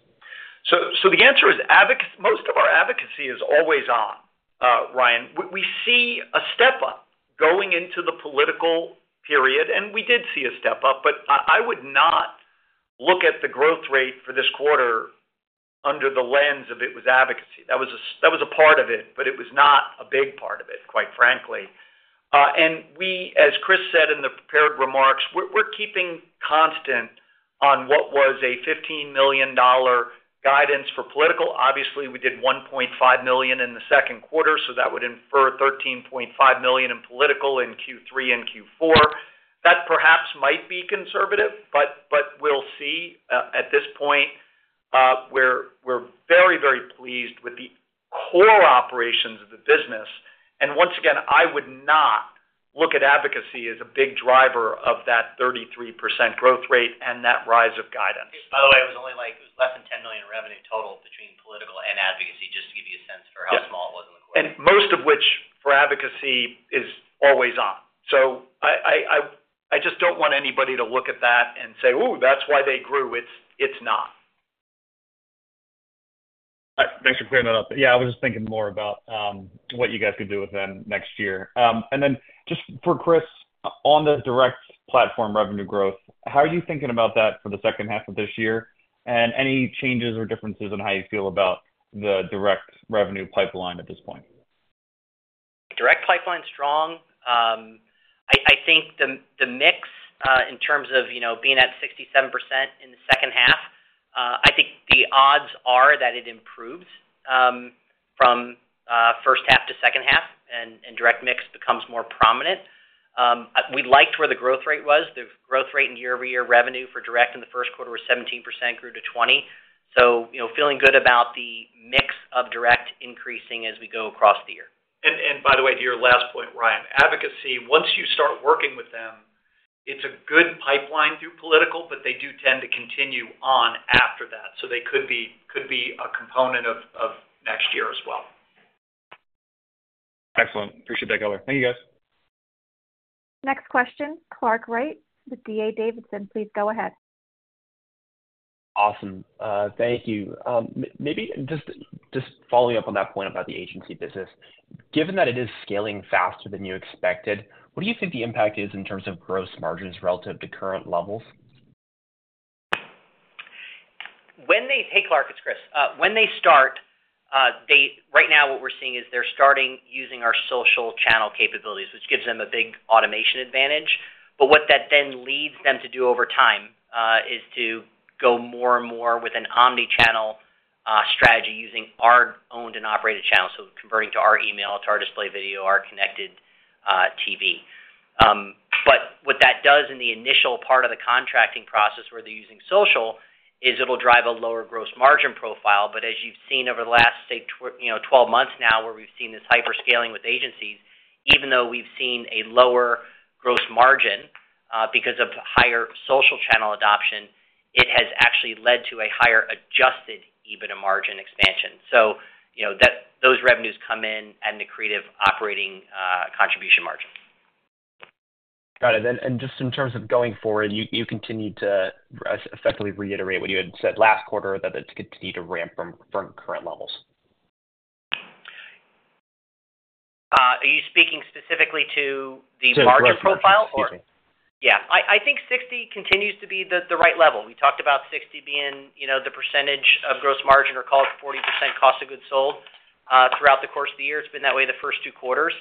The answer is advocacy. Most of our advocacy is always on, Ryan. We see a step up going into the political period, and we did see a step up, but I would not look at the growth rate for this quarter under the lens of it was advocacy. That was a part of it, but it was not a big part of it, quite frankly. And we, as Chris said in the prepared remarks, we're keeping constant on what was a $15 million guidance for political. Obviously, we did $1.5 million in the second quarter, so that would infer $13.5 million in political in Q3 and Q4. That perhaps might be conservative, but we'll see. At this point, we're very, very pleased with the core operations of the business. Once again, I would not look at advocacy as a big driver of that 33% growth rate and that rise of guidance. By the way, it was only, like, it was less than $10 million in revenue total between political and advocacy, just to give you a sense for- Yeah how small it was in the quarter. And most of which, for advocacy, is always on. So I just don't want anybody to look at that and say, "Ooh, that's why they grew." It's not. Thanks for clearing that up. Yeah, I was just thinking more about what you guys could do with them next year. And then just for Chris, on the direct platform revenue growth, how are you thinking about that for the second half of this year? And any changes or differences in how you feel about the direct revenue pipeline at this point? Direct pipeline's strong. I think the mix, in terms of, you know, being at 67% in the second half, I think the odds are that it improves, from first half to second half, and direct mix becomes more prominent. We liked where the growth rate was. The growth rate in year-over-year revenue for direct in the first quarter was 17%, grew to 20. So, you know, feeling good about the mix of direct increasing as we go across the year. And by the way, to your last point, Ryan, advocacy, once you start working with them, it's a good pipeline through political, but they do tend to continue on after that, so they could be a component of next year as well. Excellent. Appreciate that color. Thank you, guys. Next question, Clark Wright with D.A. Davidson, please go ahead. Awesome. Thank you. Maybe just following up on that point about the agency business. Given that it is scaling faster than you expected, what do you think the impact is in terms of gross margins relative to current levels? Hey, Clark, it's Chris. When they start, right now, what we're seeing is they're starting using our social channel capabilities, which gives them a big automation advantage. But what that then leads them to do over time is to go more and more with an omni-channel strategy using our owned and operated channels, so converting to our email, to our display video, our connected TV. But what that does in the initial part of the contracting process where they're using social is it'll drive a lower gross margin profile. But as you've seen over the last, say, you know, 12 months now, where we've seen this hyper scaling with agencies, even though we've seen a lower gross margin because of higher social channel adoption, it has actually led to a higher Adjusted EBITDA margin expansion. So, you know, those revenues come in and the creative operating contribution margin. Got it. And just in terms of going forward, you continue to effectively reiterate what you had said last quarter, that it's going to continue to ramp from current levels? Are you speaking specifically to the margin profile? [inaudible] Excuse me. Yeah. I, I think 60 continues to be the, the right level. We talked about 60 being, you know, the percentage of gross margin, or call it 40% cost of goods sold throughout the course of the year. It's been that way the first two quarters.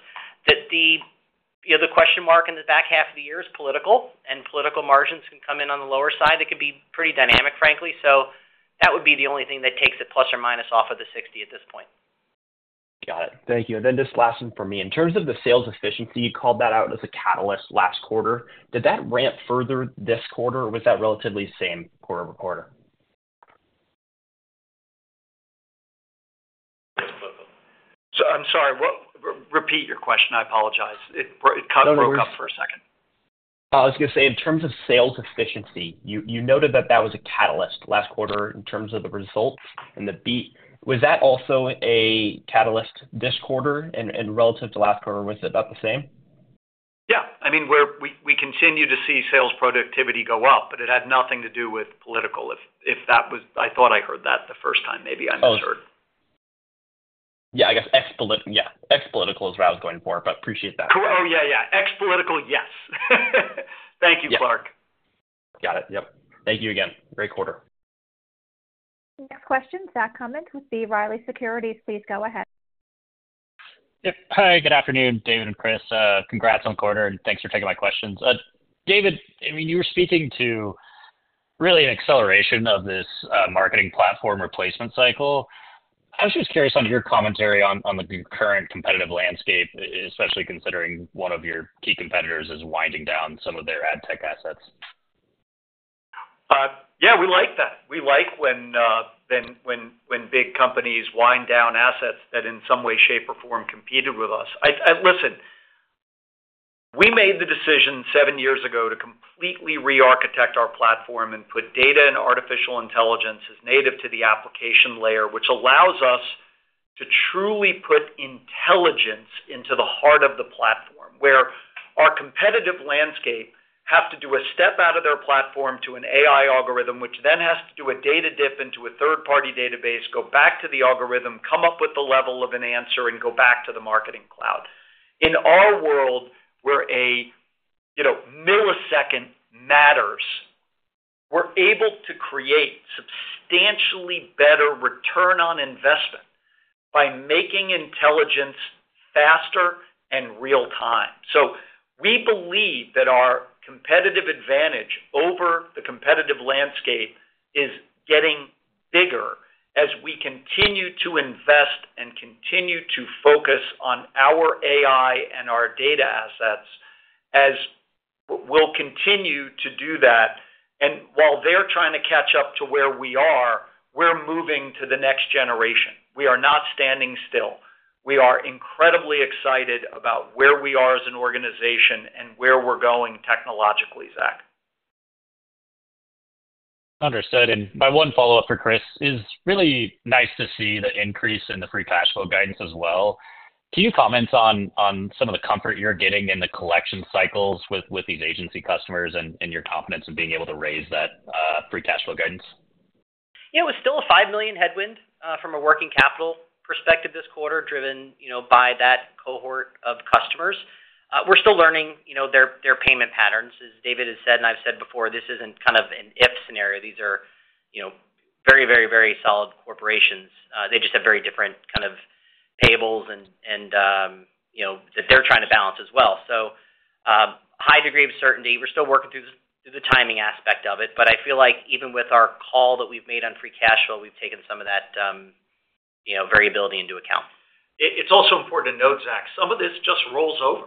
That, the, you know, the question mark in the back half of the year is political, and political margins can come in on the lower side. They can be pretty dynamic, frankly, so that would be the only thing that takes it plus or minus off of the 60 at this point. Got it. Thank you. And then just last one for me. In terms of the sales efficiency, you called that out as a catalyst last quarter. Did that ramp further this quarter, or was that relatively same quarter over quarter? So I'm sorry, what? Repeat your question, I apologize. It kind of broke up for a second. I was gonna say, in terms of sales efficiency, you, you noted that that was a catalyst last quarter in terms of the results and the beat. Was that also a catalyst this quarter, and, and relative to last quarter, was it about the same? Yeah. I mean, we continue to see sales productivity go up, but it had nothing to do with political if, if that was... I thought I heard that the first time, maybe I misheard. Yeah, I guess ex-political is what I was going for, but appreciate that. Oh, yeah, yeah. Ex-political, yes. Thank you, Clark. Got it. Yep. Thank you again. Great quarter. Next question, Zach Cummins with B. Riley Securities. Please go ahead. Yep. Hi, good afternoon, David and Chris. Congrats on the quarter, and thanks for taking my questions. David, I mean, you were speaking to really an acceleration of this marketing platform replacement cycle. I was just curious on your commentary on the current competitive landscape, especially considering one of your key competitors is winding down some of their ad tech assets. Yeah, we like that. We like when big companies wind down assets that in some way, shape, or form competed with us. Listen, we made the decision seven years ago to completely rearchitect our platform and put data and artificial intelligence as native to the application layer, which allows us to truly put intelligence into the heart of the platform. Where our competitive landscape have to do a step out of their platform to an AI algorithm, which then has to do a data dip into a third-party database, go back to the algorithm, come up with the level of an answer, and go back to the marketing cloud. In our world, where, you know, a millisecond matters, we're able to create substantially better return on investment by making intelligence faster and real time. We believe that our competitive advantage over the competitive landscape is getting bigger as we continue to invest and continue to focus on our AI and our data assets, as we'll continue to do that. While they're trying to catch up to where we are, we're moving to the next generation. We are not standing still. We are incredibly excited about where we are as an organization and where we're going technologically, Zach. Understood. My one follow-up for Chris, it's really nice to see the increase in the Free Cash Flow guidance as well. Can you comment on some of the comfort you're getting in the collection cycles with these agency customers and your confidence in being able to raise that Free Cash Flow guidance? Yeah, it was still a $5 million headwind from a working capital perspective this quarter, driven, you know, by that cohort of customers. We're still learning, you know, their payment patterns. As David has said, and I've said before, this isn't kind of an if scenario. These are, you know, very, very, very solid corporations. They just have very different kind of payables and, you know, that they're trying to balance as well. So, high degree of certainty. We're still working through the timing aspect of it, but I feel like even with our call that we've made on free cash flow, we've taken some of that, you know, variability into account. It's also important to note, Zach, some of this just rolls over,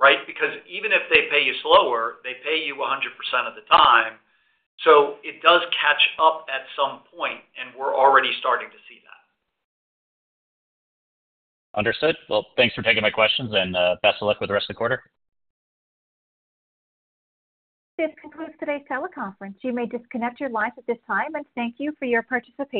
right? Because even if they pay you slower, they pay you 100% of the time, so it does catch up at some point, and we're already starting to see that. Understood. Well, thanks for taking my questions, and best of luck with the rest of the quarter. This concludes today's teleconference. You may disconnect your lines at this time, and thank you for your participation.